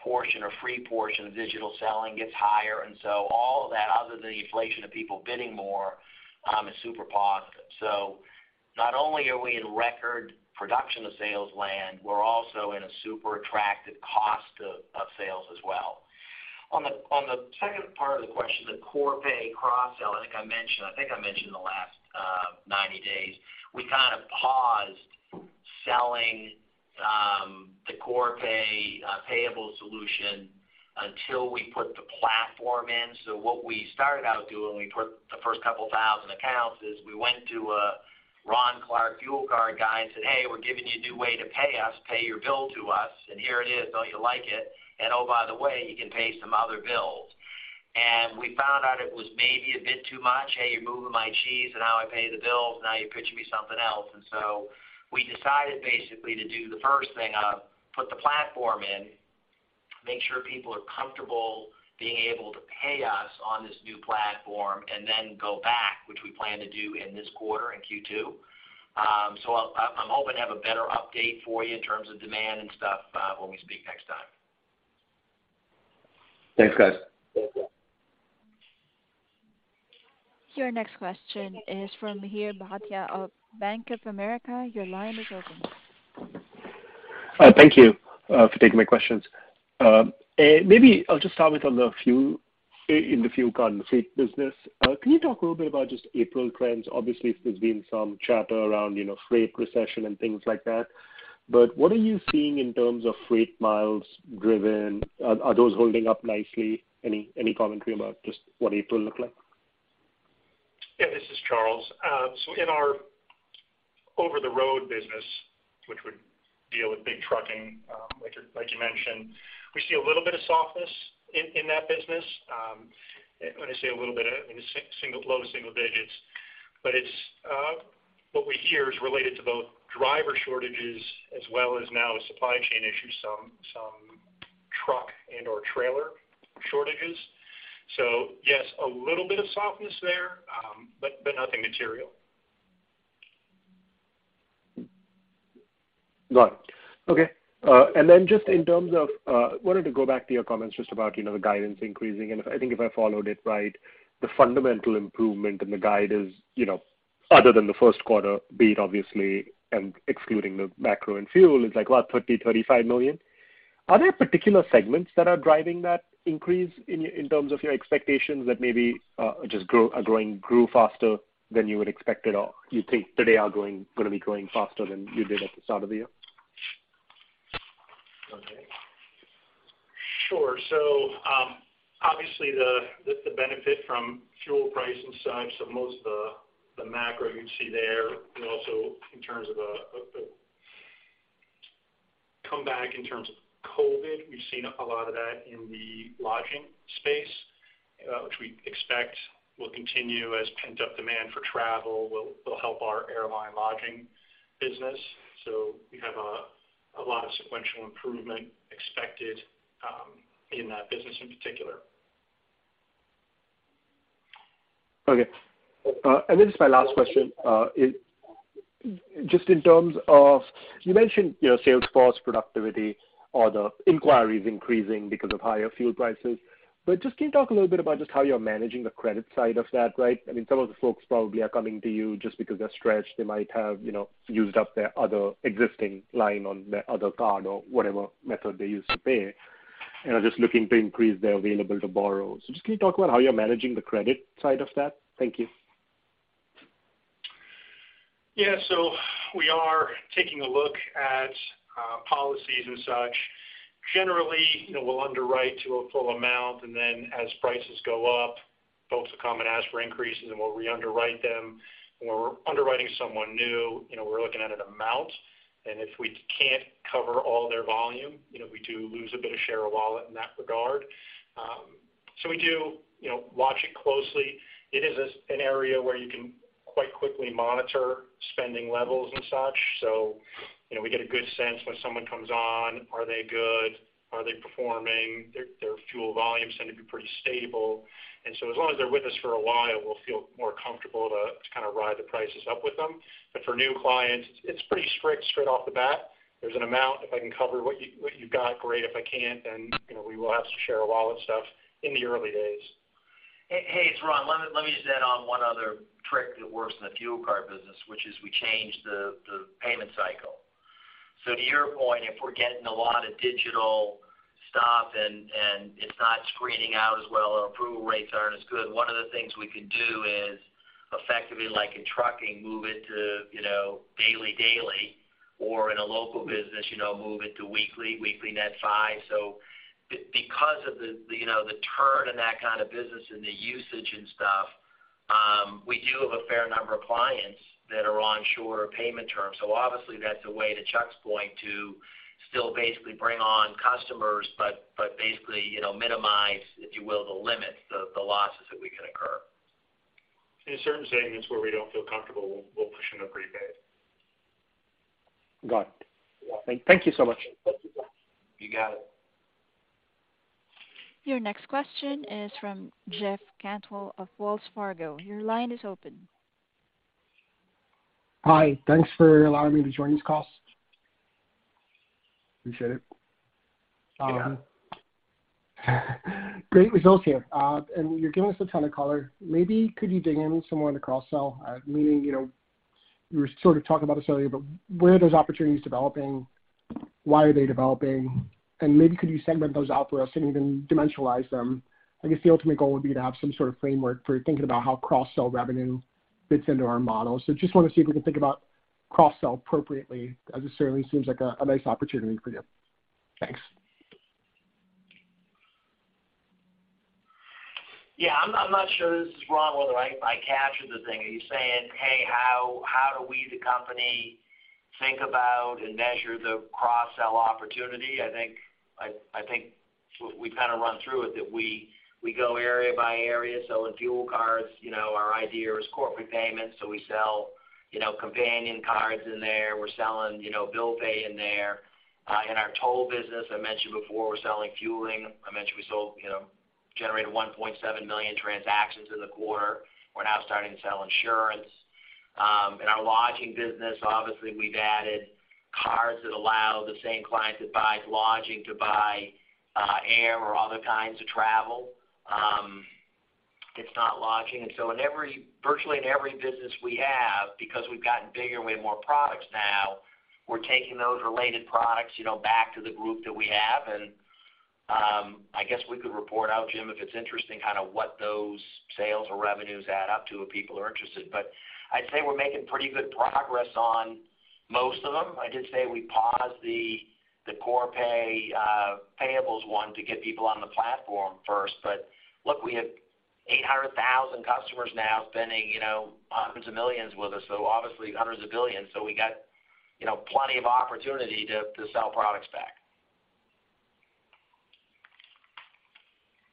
portion or free portion of digital selling gets higher. All of that other than the inflation of people bidding more is super positive. Not only are we in record production of sales leads, we're also in a super attractive cost of sales as well. On the second part of the question, the Corpay cross-sell, I think I mentioned in the last 90 days, we kind of paused selling the Corpay payable solution until we put the platform in. What we started out doing when we put the first couple thousand accounts is we went to a Ron Clarke fuel card guy and said, "Hey, we're giving you a new way to pay us. Pay your bill to us, and here it is. Don't you like it? And oh, by the way, you can pay some other bills." We found out it was maybe a bit too much. Hey, you're moving my cheese, and now I pay the bills, now you're pitching me something else. We decided basically to do the first thing of put the platform in, make sure people are comfortable being able to pay us on this new platform, and then go back, which we plan to do in this quarter, in Q2. I'll, I'm hoping to have a better update for you in terms of demand and stuff, when we speak next time. Thanks, guys. Thank you. Your next question is from Mihir Bhatia of Bank of America. Your line is open. Thank you for taking my questions. Maybe I'll just start with on the fuel card and the fleet business. Can you talk a little bit about just April trends? Obviously, there's been some chatter around, you know, freight recession and things like that. What are you seeing in terms of freight miles driven? Are those holding up nicely? Any commentary about just what April looked like? Yeah, this is Charles. In our over-the-road business, which would deal with big trucking, like you mentioned, we see a little bit of softness in that business. When I say a little bit, I mean low single digits, but it's what we hear is related to both driver shortages as well as now supply chain issues, some truck and/or trailer shortages. Yes, a little bit of softness there, but nothing material. Got it. Okay. Just in terms of wanted to go back to your comments just about, you know, the guidance increasing. I think if I followed it right, the fundamental improvement in the guide is, you know, other than the first quarter beat obviously, and excluding the macro and fuel is like, what? $30 million-$35 million. Are there particular segments that are driving that increase in terms of your expectations that maybe are just growing faster than you would expect it or you think today are gonna be growing faster than you did at the start of the year? Okay. Sure. Obviously the benefit from fuel pricing side, most of the macro you'd see there and also in terms of a comeback in terms of COVID, we've seen a lot of that in the lodging space, which we expect will continue as pent-up demand for travel will help our airline lodging business. We have a lot of sequential improvement expected, in that business in particular. Okay. This is my last question. Just in terms of, you mentioned, you know, sales force productivity or the inquiries increasing because of higher fuel prices. Just can you talk a little bit about just how you're managing the credit side of that, right? I mean, some of the folks probably are coming to you just because they're stretched. They might have, you know, used up their other existing line on their other card or whatever method they use to pay, and are just looking to increase their available to borrow. Just can you talk about how you're managing the credit side of that? Thank you. Yeah. We are taking a look at policies and such. Generally, you know, we'll underwrite to a full amount, and then as prices go up, folks will come and ask for increases, and we'll re-underwrite them. When we're underwriting someone new, you know, we're looking at an amount, and if we can't cover all their volume, you know, we do lose a bit of share of wallet in that regard. We do, you know, watch it closely. It is an area where you can quite quickly monitor spending levels and such. We get a good sense when someone comes on, are they good? Are they performing? Their fuel volumes tend to be pretty stable. As long as they're with us for a while, we'll feel more comfortable to kind of ride the prices up with them. For new clients, it's pretty strict straight off the bat. There's an amount. If I can cover what you've got, great. If I can't, then, you know, we will have some share of wallet stuff in the early days. Hey, it's Ron. Let me just add on one other trick that works in the fuel card business, which is we change the payment cycle. To your point, if we're getting a lot of digital stuff and it's not screening out as well or approval rates aren't as good, one of the things we could do is effectively like in trucking, move it to, you know, daily or in a local business, you know, move it to weekly net five. Because of the, you know, the turn in that kind of business and the usage and stuff, we do have a fair number of clients that are on shorter payment terms. Obviously, that's a way to Chuck's point to still basically bring on customers, but basically, you know, minimize, if you will, the limits, the losses that we can incur. In certain segments where we don't feel comfortable, we'll push them to prepaid. Got it. Yeah. Thank you so much. You got it. Your next question is from Jeff Cantwell of Wells Fargo. Your line is open. Hi. Thanks for allowing me to join this call. Appreciate it. Great results here. You're giving us a ton of color. Maybe could you dig in some more on the cross-sell? Meaning, you know, you were sort of talking about this earlier, but where are those opportunities developing? Why are they developing? Maybe could you segment those out for us and even dimensionalize them? I guess the ultimate goal would be to have some sort of framework for thinking about how cross-sell revenue fits into our model. Just wanna see if we can think about cross-sell appropriately, as it certainly seems like a nice opportunity for you. Thanks. Yeah, I'm not sure, this is Ron, whether I captured the thing. Are you saying, "Hey, how do we, the company, think about and measure the cross-sell opportunity?" I think we kind of run through it, that we go area by area, selling fuel cards. You know, our idea is corporate payments, so we sell, you know, companion cards in there. We're selling, you know, bill pay in there. In our toll business, I mentioned before, we're selling fuel. I mentioned we generated 1.7 million transactions in the quarter. We're now starting to sell insurance. In our lodging business, obviously we've added cards that allow the same client that buys lodging to buy air or other kinds of travel, if not lodging. Virtually in every business we have, because we've gotten bigger and we have more products now, we're taking those related products, you know, back to the group that we have. I guess we could report out, Jim, if it's interesting, kind of what those sales or revenues add up to, if people are interested. I'd say we're making pretty good progress on most of them. I did say we paused the Corpay payables one to get people on the platform first. Look, we have 800,000 customers now spending, you know, hundreds of millions with us, so obviously hundreds of billions. We got, you know, plenty of opportunity to sell products back.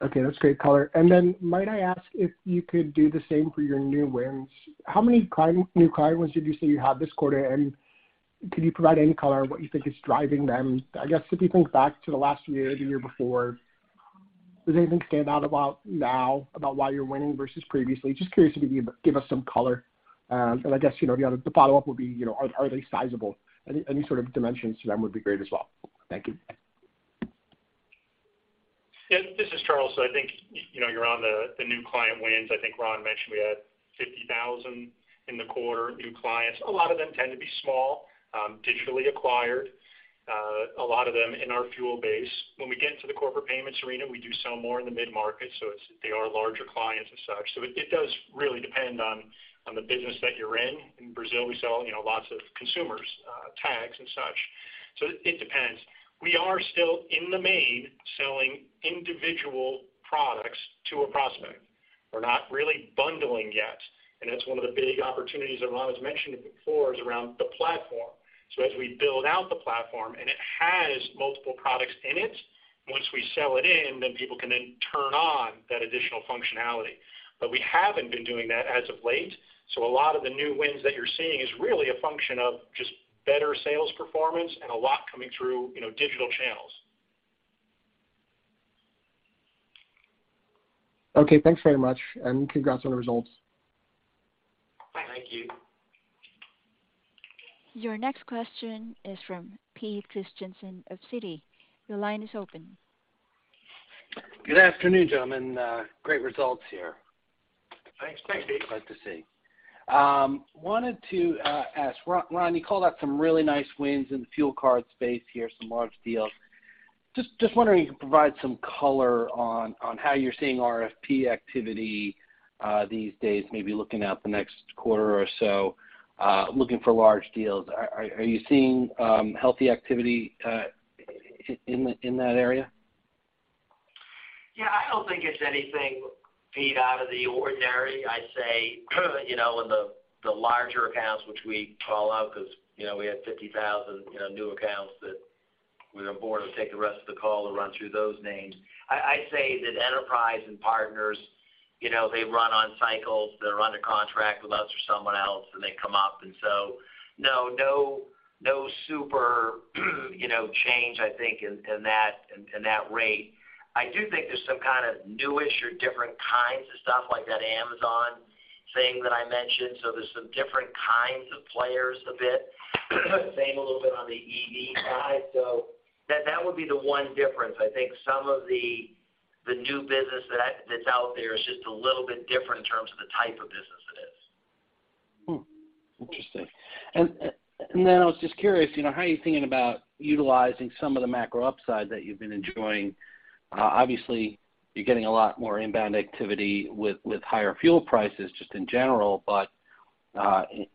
Okay, that's great color. Then might I ask if you could do the same for your new wins? How many new client wins did you say you had this quarter? Can you provide any color on what you think is driving them? I guess if you think back to the last year or the year before, does anything stand out about now about why you're winning versus previously? Just curious if you could give us some color. I guess, you know, the other, the follow-up would be, you know, are they sizable? Any sort of dimensions to them would be great as well. Thank you. Yeah, this is Charles. I think you know, you're on the new client wins. I think Ron mentioned we had 50,000 in the quarter, new clients. A lot of them tend to be small, digitally acquired, a lot of them in our fuel base. When we get into the corporate payments arena, we do sell more in the mid-market, so it's they are larger clients as such. It does really depend on the business that you're in. In Brazil, we sell you know, lots of consumers, tags and such. It depends. We are still in the main selling individual products to a prospect. We're not really bundling yet, and that's one of the big opportunities that Ron has mentioned before is around the platform. As we build out the platform, and it has multiple products in it, once we sell it in, people can turn on that additional functionality. We haven't been doing that as of late, so a lot of the new wins that you're seeing is really a function of just better sales performance and a lot coming through, you know, digital channels. Okay, thanks very much, and congrats on the results. Thank you. Your next question is from Pete Christiansen of Citi. Your line is open. Good afternoon, gentlemen. Great results here. Thanks. Thank you. Glad to see. Wanted to ask Ron, you called out some really nice wins in the fuel card space here, some large deals. Just wondering if you could provide some color on how you're seeing RFP activity these days, maybe looking out the next quarter or so, looking for large deals. Are you seeing healthy activity in that area? Yeah, I don't think it's anything, Pete, out of the ordinary. I'd say, you know, in the larger accounts which we call out, 'cause, you know, we had 50,000, you know, new accounts that we're gonna onboard to take the rest of the call to run through those names. I'd say that enterprise and partners, you know, they run on cycles. They're under contract with us or someone else, and they come up. No, no super, you know, change, I think, in that rate. I do think there's some kind of new-ish or different kinds of stuff like that Amazon thing that I mentioned. There's some different kinds of players a bit. Same a little bit on the EV side. That would be the one difference. I think some of the new business that's out there is just a little bit different in terms of the type of business it is. Hmm. Interesting. I was just curious, you know, how are you thinking about utilizing some of the macro upside that you've been enjoying? Obviously you're getting a lot more inbound activity with higher fuel prices just in general. But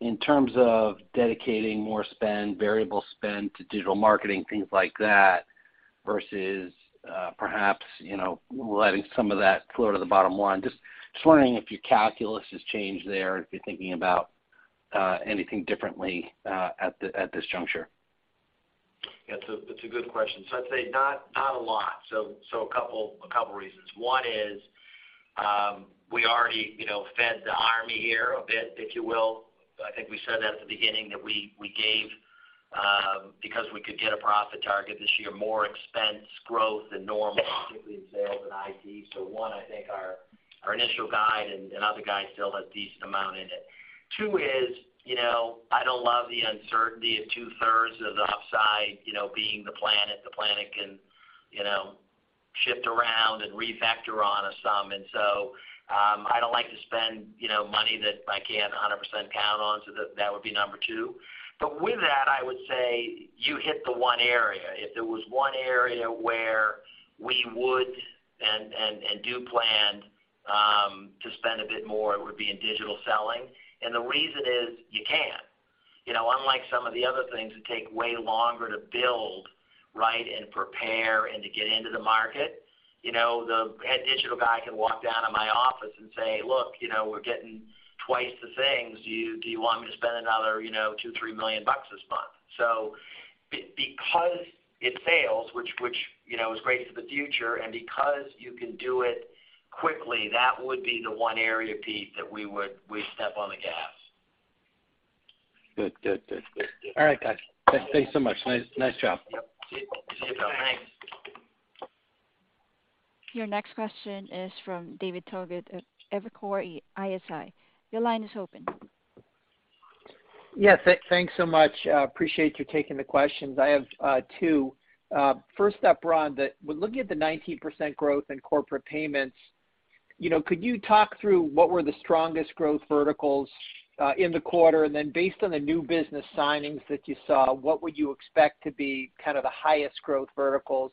In terms of dedicating more spend, variable spend to digital marketing, things like that, versus, perhaps, you know, letting some of that flow to the bottom line, just wondering if your calculus has changed there, if you're thinking about, anything differently, at this juncture? Yeah, it's a good question. I'd say not a lot. A couple reasons. One is, we already, you know, fed the army here a bit, if you will. I think we said that at the beginning that we gave, because we could hit a profit target this year, more expense growth than normal, particularly in sales and IT. One, I think our initial guide and other guides still has a decent amount in it. Two is, you know, I don't love the uncertainty of 2/3 of the upside, you know, being the plan. The plan can, you know, shift around and refactor on us some. I don't like to spend, you know, money that I can't 100% count on. That would be number two. With that, I would say you hit the one area. If there was one area where we would and do plan to spend a bit more, it would be in digital selling. The reason is you can. You know, unlike some of the other things that take way longer to build, right, and prepare and to get into the market, you know, the head digital guy can walk down to my office and say, "Look, you know, we're getting twice the things. Do you want me to spend another, you know, $2 million-$3 million this month?" Because it's sales, which you know, is great for the future, and because you can do it quickly, that would be the one area, Pete, that we would step on the gas. Good. All right, guys. Thanks so much. Nice job. Yep. See you. See you. Bye. Thanks. Your next question is from David Togut at Evercore ISI. Your line is open. Yes. Thanks so much. Appreciate you taking the questions. I have two. First up, Ron, when looking at the 19% growth in corporate payments, you know, could you talk through what were the strongest growth verticals in the quarter? And then based on the new business signings that you saw, what would you expect to be kind of the highest growth verticals,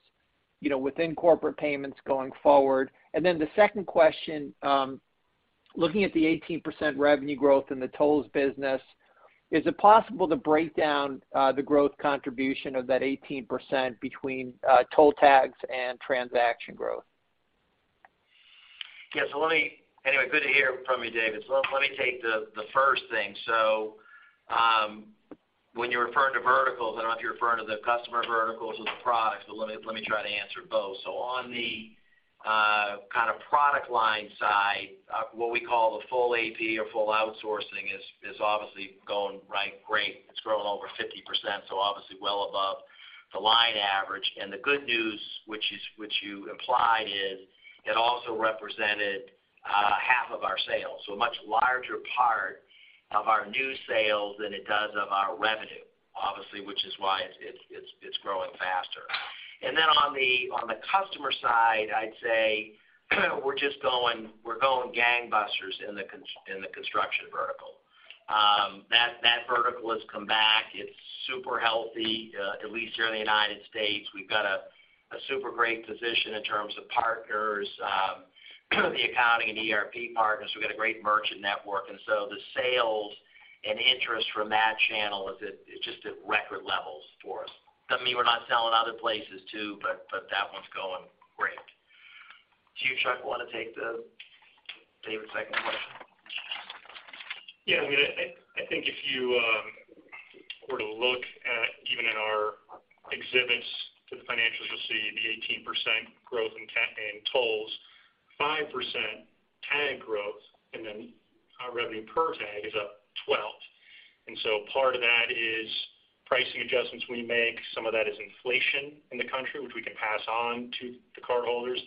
you know, within corporate payments going forward? And then the second question, looking at the 18% revenue growth in the tolls business, is it possible to break down the growth contribution of that 18% between toll tags and transaction growth? Yeah. Anyway, good to hear from you, David. Let me take the first thing. When you're referring to verticals, I don't know if you're referring to the customer verticals or the products, but let me try to answer both. On the kind of product line side, what we call the full AP or full outsourcing is obviously going great. It's growing over 50%, so obviously well above the line average. The good news, which you implied, is that it also represented half of our sales. A much larger part of our new sales than it does of our revenue, obviously, which is why it's growing faster. On the customer side, I'd say we're going gangbusters in the construction vertical. That vertical has come back. It's super healthy, at least here in the United States. We've got a super great position in terms of partners, the accounting and ERP partners. We've got a great merchant network, and so the sales and interest from that channel is just at record levels for us. Doesn't mean we're not selling other places too, but that one's going great. Do you, Chuck, want to take David's second question? Yeah. I mean, I think if you were to look at, even in our exhibits to the financials, you'll see the 18% growth in tolls, 5% tag growth, and then our revenue per tag is up 12%. Part of that is pricing adjustments we make, some of that is inflation in the country, which we can pass on to the cardholders,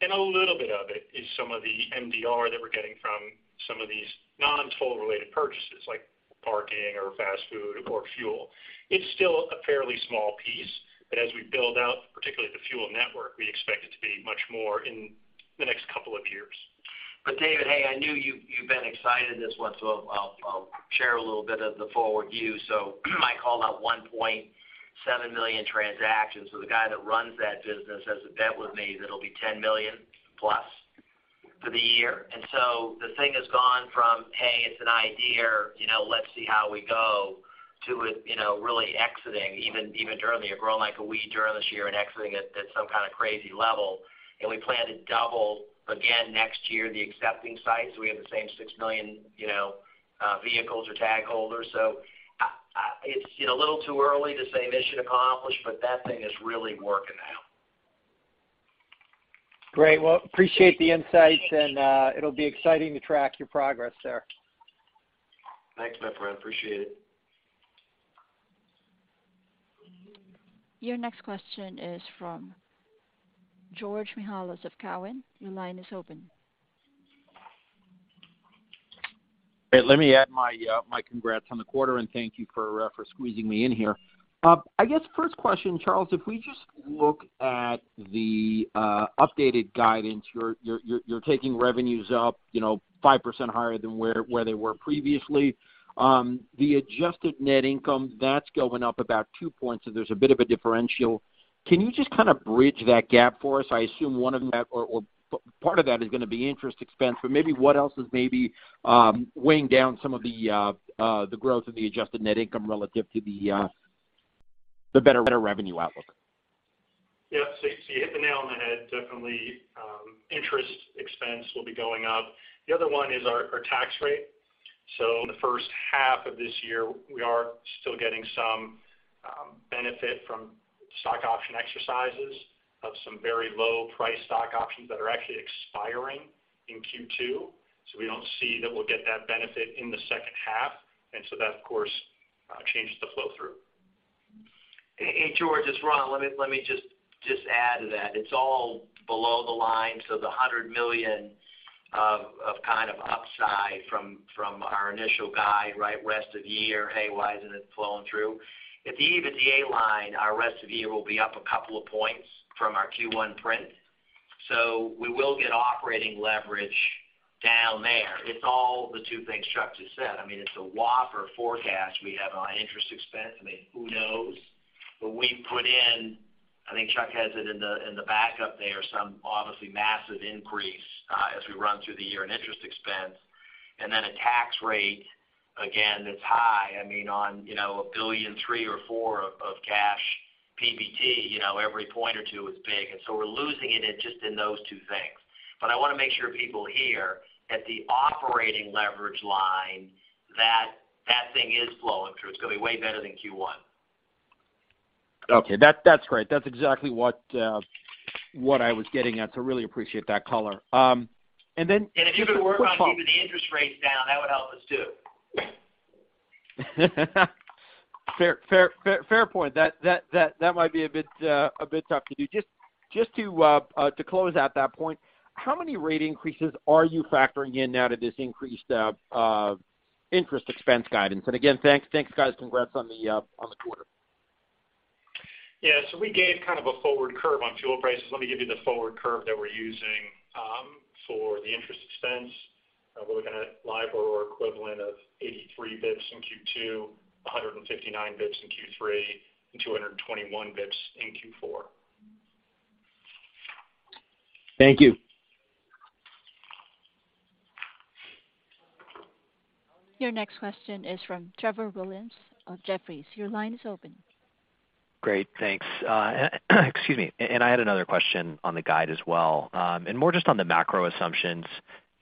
and a little bit of it is some of the MDR that we're getting from some of these non-toll related purchases like parking or fast food or fuel. It's still a fairly small piece, but as we build out, particularly the fuel network, we expect it to be much more in the next couple of years. David, hey, I knew you'd been excited in this one, so I'll share a little bit of the forward view. I called out 1.7 million transactions, so the guy that runs that business has a bet with me that it'll be 10 million+ for the year. The thing has gone from, hey, it's an idea, you know, let's see how we go, to it, you know, really exiting even during the year, growing like a weed during this year and exiting at some kind of crazy level. We plan to double again next year the accepting sites, so we have the same 6 million, you know, vehicles or tag holders. It's, you know, a little too early to say mission accomplished, but that thing is really working out. Great. Well, appreciate the insights and, it'll be exciting to track your progress there. Thanks, my friend. Appreciate it. Your next question is from George Mihalos of Cowen. Your line is open. Hey, let me add my congrats on the quarter, and thank you for squeezing me in here. I guess first question, Charles, if we just look at the updated guidance, you're taking revenues up, you know, 5% higher than where they were previously. The adjusted net income, that's going up about 2 points, so there's a bit of a differential. Can you just kind of bridge that gap for us? I assume one of that or part of that is gonna be interest expense, but maybe what else is maybe weighing down some of the growth of the adjusted net income relative to the The better revenue outlook. Yeah. You hit the nail on the head. Definitely, interest expense will be going up. The other one is our tax rate. In the first half of this year, we are still getting some benefit from stock option exercises of some very low price stock options that are actually expiring in Q2. We don't see that we'll get that benefit in the second half, and so that of course changes the flow through. George, it's Ron. Let me just add to that. It's all below the line, so the $100 million of kind of upside from our initial guide, right, rest of year, hey, why isn't it flowing through? At the EBITDA line, our rest of the year will be up a couple of points from our Q1 print. We will get operating leverage down there. It's all the two things Chuck just said. I mean, it's a whopper forecast we have on our interest expense. I mean, who knows? We put in, I think Chuck has it in the backup there, some obviously massive increase as we run through the year in interest expense. Then a tax rate, again, that's high, I mean, on, you know, $1.3 billion-$1.4 billion of Cash PBT, you know, every point or two is big. We're losing it in just those two things. I wanna make sure people hear at the operating leverage line that that thing is flowing through. It's gonna be way better than Q1. Okay. That's great. That's exactly what I was getting at, so really appreciate that color. Just a quick follow-up. If you could work on keeping the interest rates down, that would help us too. Fair point. That might be a bit tough to do. Just to close out that point, how many rate increases are you factoring in now to this increased interest expense guidance? And again, thanks. Thanks, guys. Congrats on the quarter. Yeah. We gave kind of a forward curve on fuel prices. Let me give you the forward curve that we're using for the interest expense. We're looking at LIBOR or equivalent of 83 basis points in Q2, 159 basis points in Q3, and 221 basis points in Q4. Thank you. Your next question is from Trevor Williams of Jefferies. Your line is open. Great, thanks. Excuse me. I had another question on the guide as well, and more just on the macro assumptions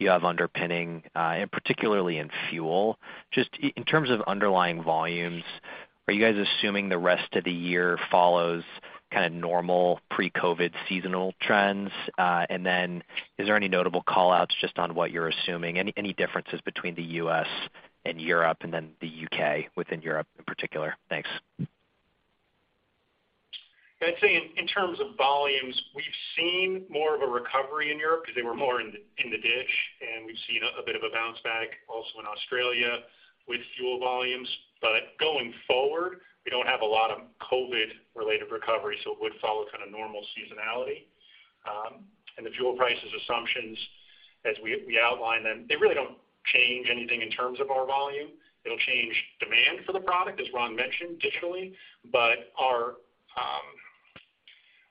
you have underpinning, and particularly in fuel. Just in terms of underlying volumes, are you guys assuming the rest of the year follows kind of normal pre-COVID seasonal trends? Is there any notable call-outs just on what you're assuming? Any differences between the U.S. and Europe and then the U.K. within Europe in particular? Thanks. I'd say in terms of volumes, we've seen more of a recovery in Europe because they were more in the ditch, and we've seen a bit of a bounce back also in Australia with fuel volumes. Going forward, we don't have a lot of COVID-related recovery, so it would follow kind of normal seasonality. The fuel prices assumptions, as we outline them, they really don't change anything in terms of our volume. It'll change demand for the product, as Ron mentioned, digitally.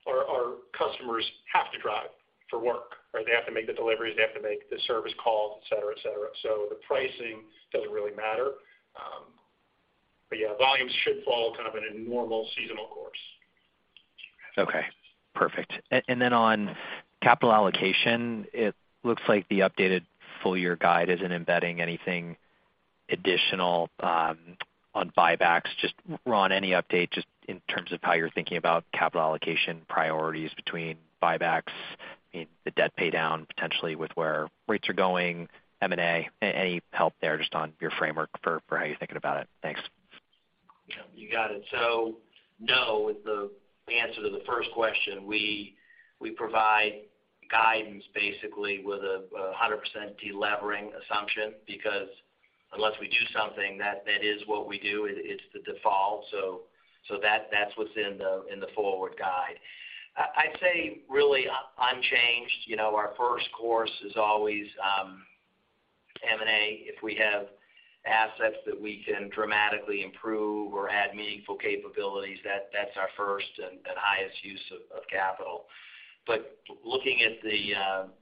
Our customers have to drive for work, right? They have to make the deliveries, they have to make the service calls, et cetera, et cetera. The pricing doesn't really matter. Yeah, volumes should follow kind of in a normal seasonal course. Okay, perfect. On capital allocation, it looks like the updated full year guide isn't embedding anything additional on buybacks. Just, Ron, any update just in terms of how you're thinking about capital allocation priorities between buybacks, I mean, the debt pay down potentially with where rates are going, M&A? Any help there just on your framework for how you're thinking about it. Thanks. Yeah, you got it. No is the answer to the first question. We provide guidance basically with a 100% delevering assumption because unless we do something that is what we do. It's the default. That's what's in the forward guidance. I'd say really unchanged. You know, our first course is always M&A. If we have assets that we can dramatically improve or add meaningful capabilities, that's our first and highest use of capital. Looking at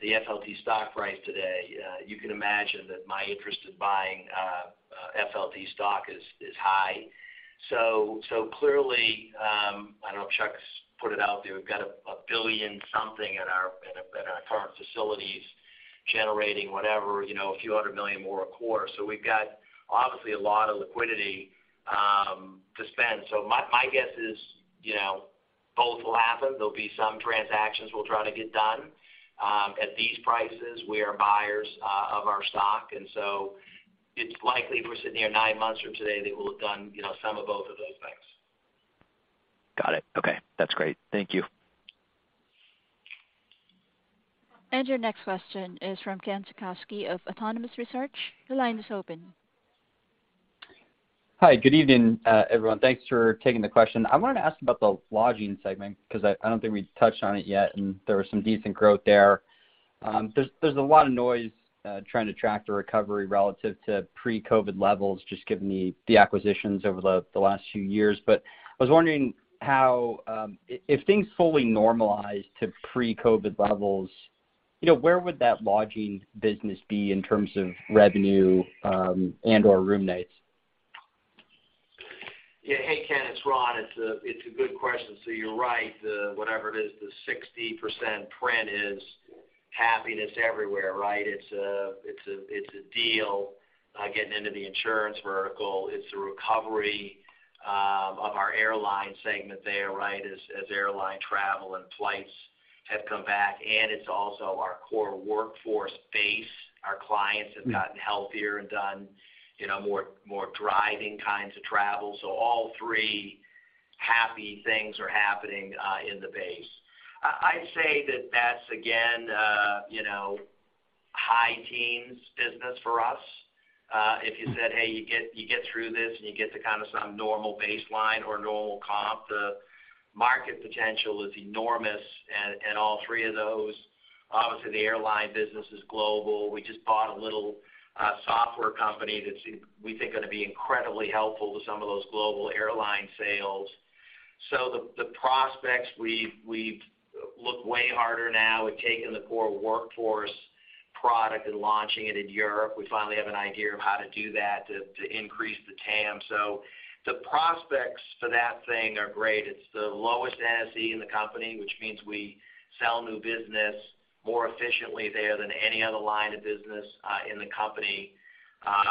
the FLT stock price today, you can imagine that my interest in buying FLT stock is high. Clearly, I don't know if Charles has put it out there. We've got $1 billion something in our current facilities generating whatever, you know, a few hundred million more a quarter. We've got obviously a lot of liquidity to spend. My guess is, you know, both will happen. There'll be some transactions we'll try to get done. At these prices, we are buyers of our stock, and so it's likely if we're sitting here nine months from today that we'll have done, you know, some of both of those things. Got it. Okay. That's great. Thank you. Your next question is from Ken Suchoski of Autonomous Research. Your line is open. Hi, good evening, everyone. Thanks for taking the question. I wanted to ask about the lodging segment because I don't think we touched on it yet, and there was some decent growth there. There's a lot of noise trying to track the recovery relative to pre-COVID levels, just given the acquisitions over the last few years. I was wondering how, if things fully normalize to pre-COVID levels You know, where would that lodging business be in terms of revenue, and/or room nights? Yeah. Hey, Ken, it's Ron. It's a good question. You're right, whatever it is, the 60% print is happiness everywhere, right? It's a deal getting into the insurance vertical. It's a recovery of our airline segment there, right, as airline travel and flights have come back. It's also our core workforce base. Our clients have gotten healthier and done, you know, more driving kinds of travel. All three happy things are happening in the base. I'd say that's again, you know, high teens business for us. If you said, "Hey, you get through this, and you get to kind of some normal baseline or normal comp," the market potential is enormous and all three of those. Obviously, the airline business is global. We just bought a little software company that's we think gonna be incredibly helpful to some of those global airline sales. The prospects we've looked way harder now with taking the core workforce product and launching it in Europe. We finally have an idea of how to do that to increase the TAM. The prospects for that thing are great. It's the lowest NSE in the company, which means we sell new business more efficiently there than any other line of business in the company.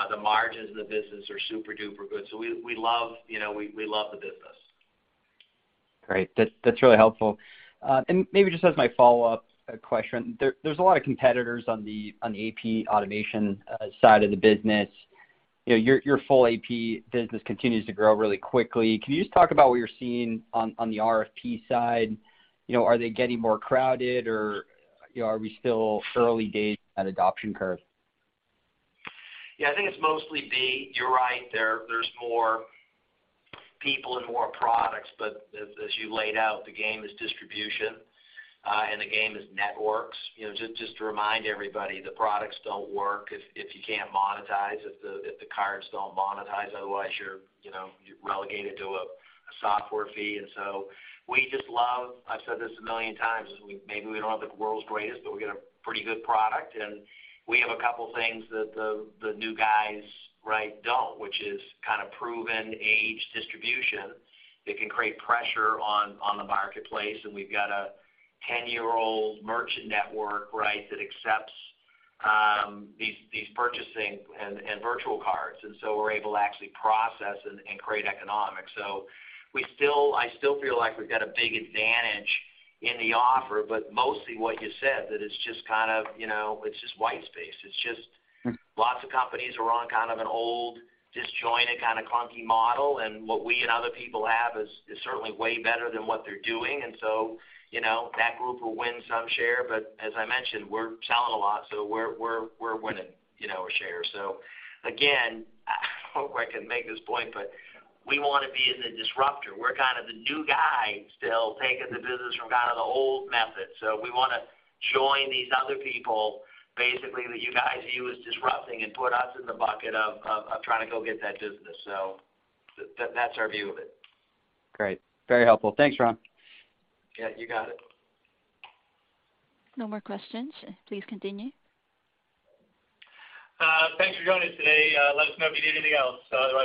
The margins in the business are super-duper good. We love, you know, we love the business. Great. That's really helpful. Maybe just as my follow-up question, there's a lot of competitors on the AP automation side of the business. You know, your full AP business continues to grow really quickly. Can you just talk about what you're seeing on the RFP side? You know, are they getting more crowded or, you know, are we still early days at adoption curve? Yeah, I think it's mostly B. You're right. There's more people and more products, but as you laid out, the game is distribution, and the game is networks. You know, just to remind everybody, the products don't work if you can't monetize, if the cards don't monetize, otherwise you're, you know, you're relegated to a software fee. We just love. I've said this a million times, we maybe we don't have the world's greatest, but we got a pretty good product. We have a couple things that the new guys, right, don't, which is kind of proven age distribution that can create pressure on the marketplace. We've got a ten-year-old merchant network, right, that accepts these purchasing and virtual cards. We're able to actually process and create economics. I still feel like we've got a big advantage in the offer, but mostly what you said, that it's just kind of, you know, it's just white space. It's just lots of companies are on kind of an old, disjointed, kind of clunky model. And what we and other people have is certainly way better than what they're doing. You know, that group will win some share. But as I mentioned, we're selling a lot, so we're winning, you know, a share. Again, I hope I can make this point, but we wanna be the disruptor. We're kind of the new guy still taking the business from kind of the old method. We wanna join these other people, basically, that you guys view as disrupting and put us in the bucket of trying to go get that business. That's our view of it. Great. Very helpful. Thanks, Ron. Yeah, you got it. No more questions. Please continue. Thanks for joining us today. Let us know if you need anything else. Otherwise-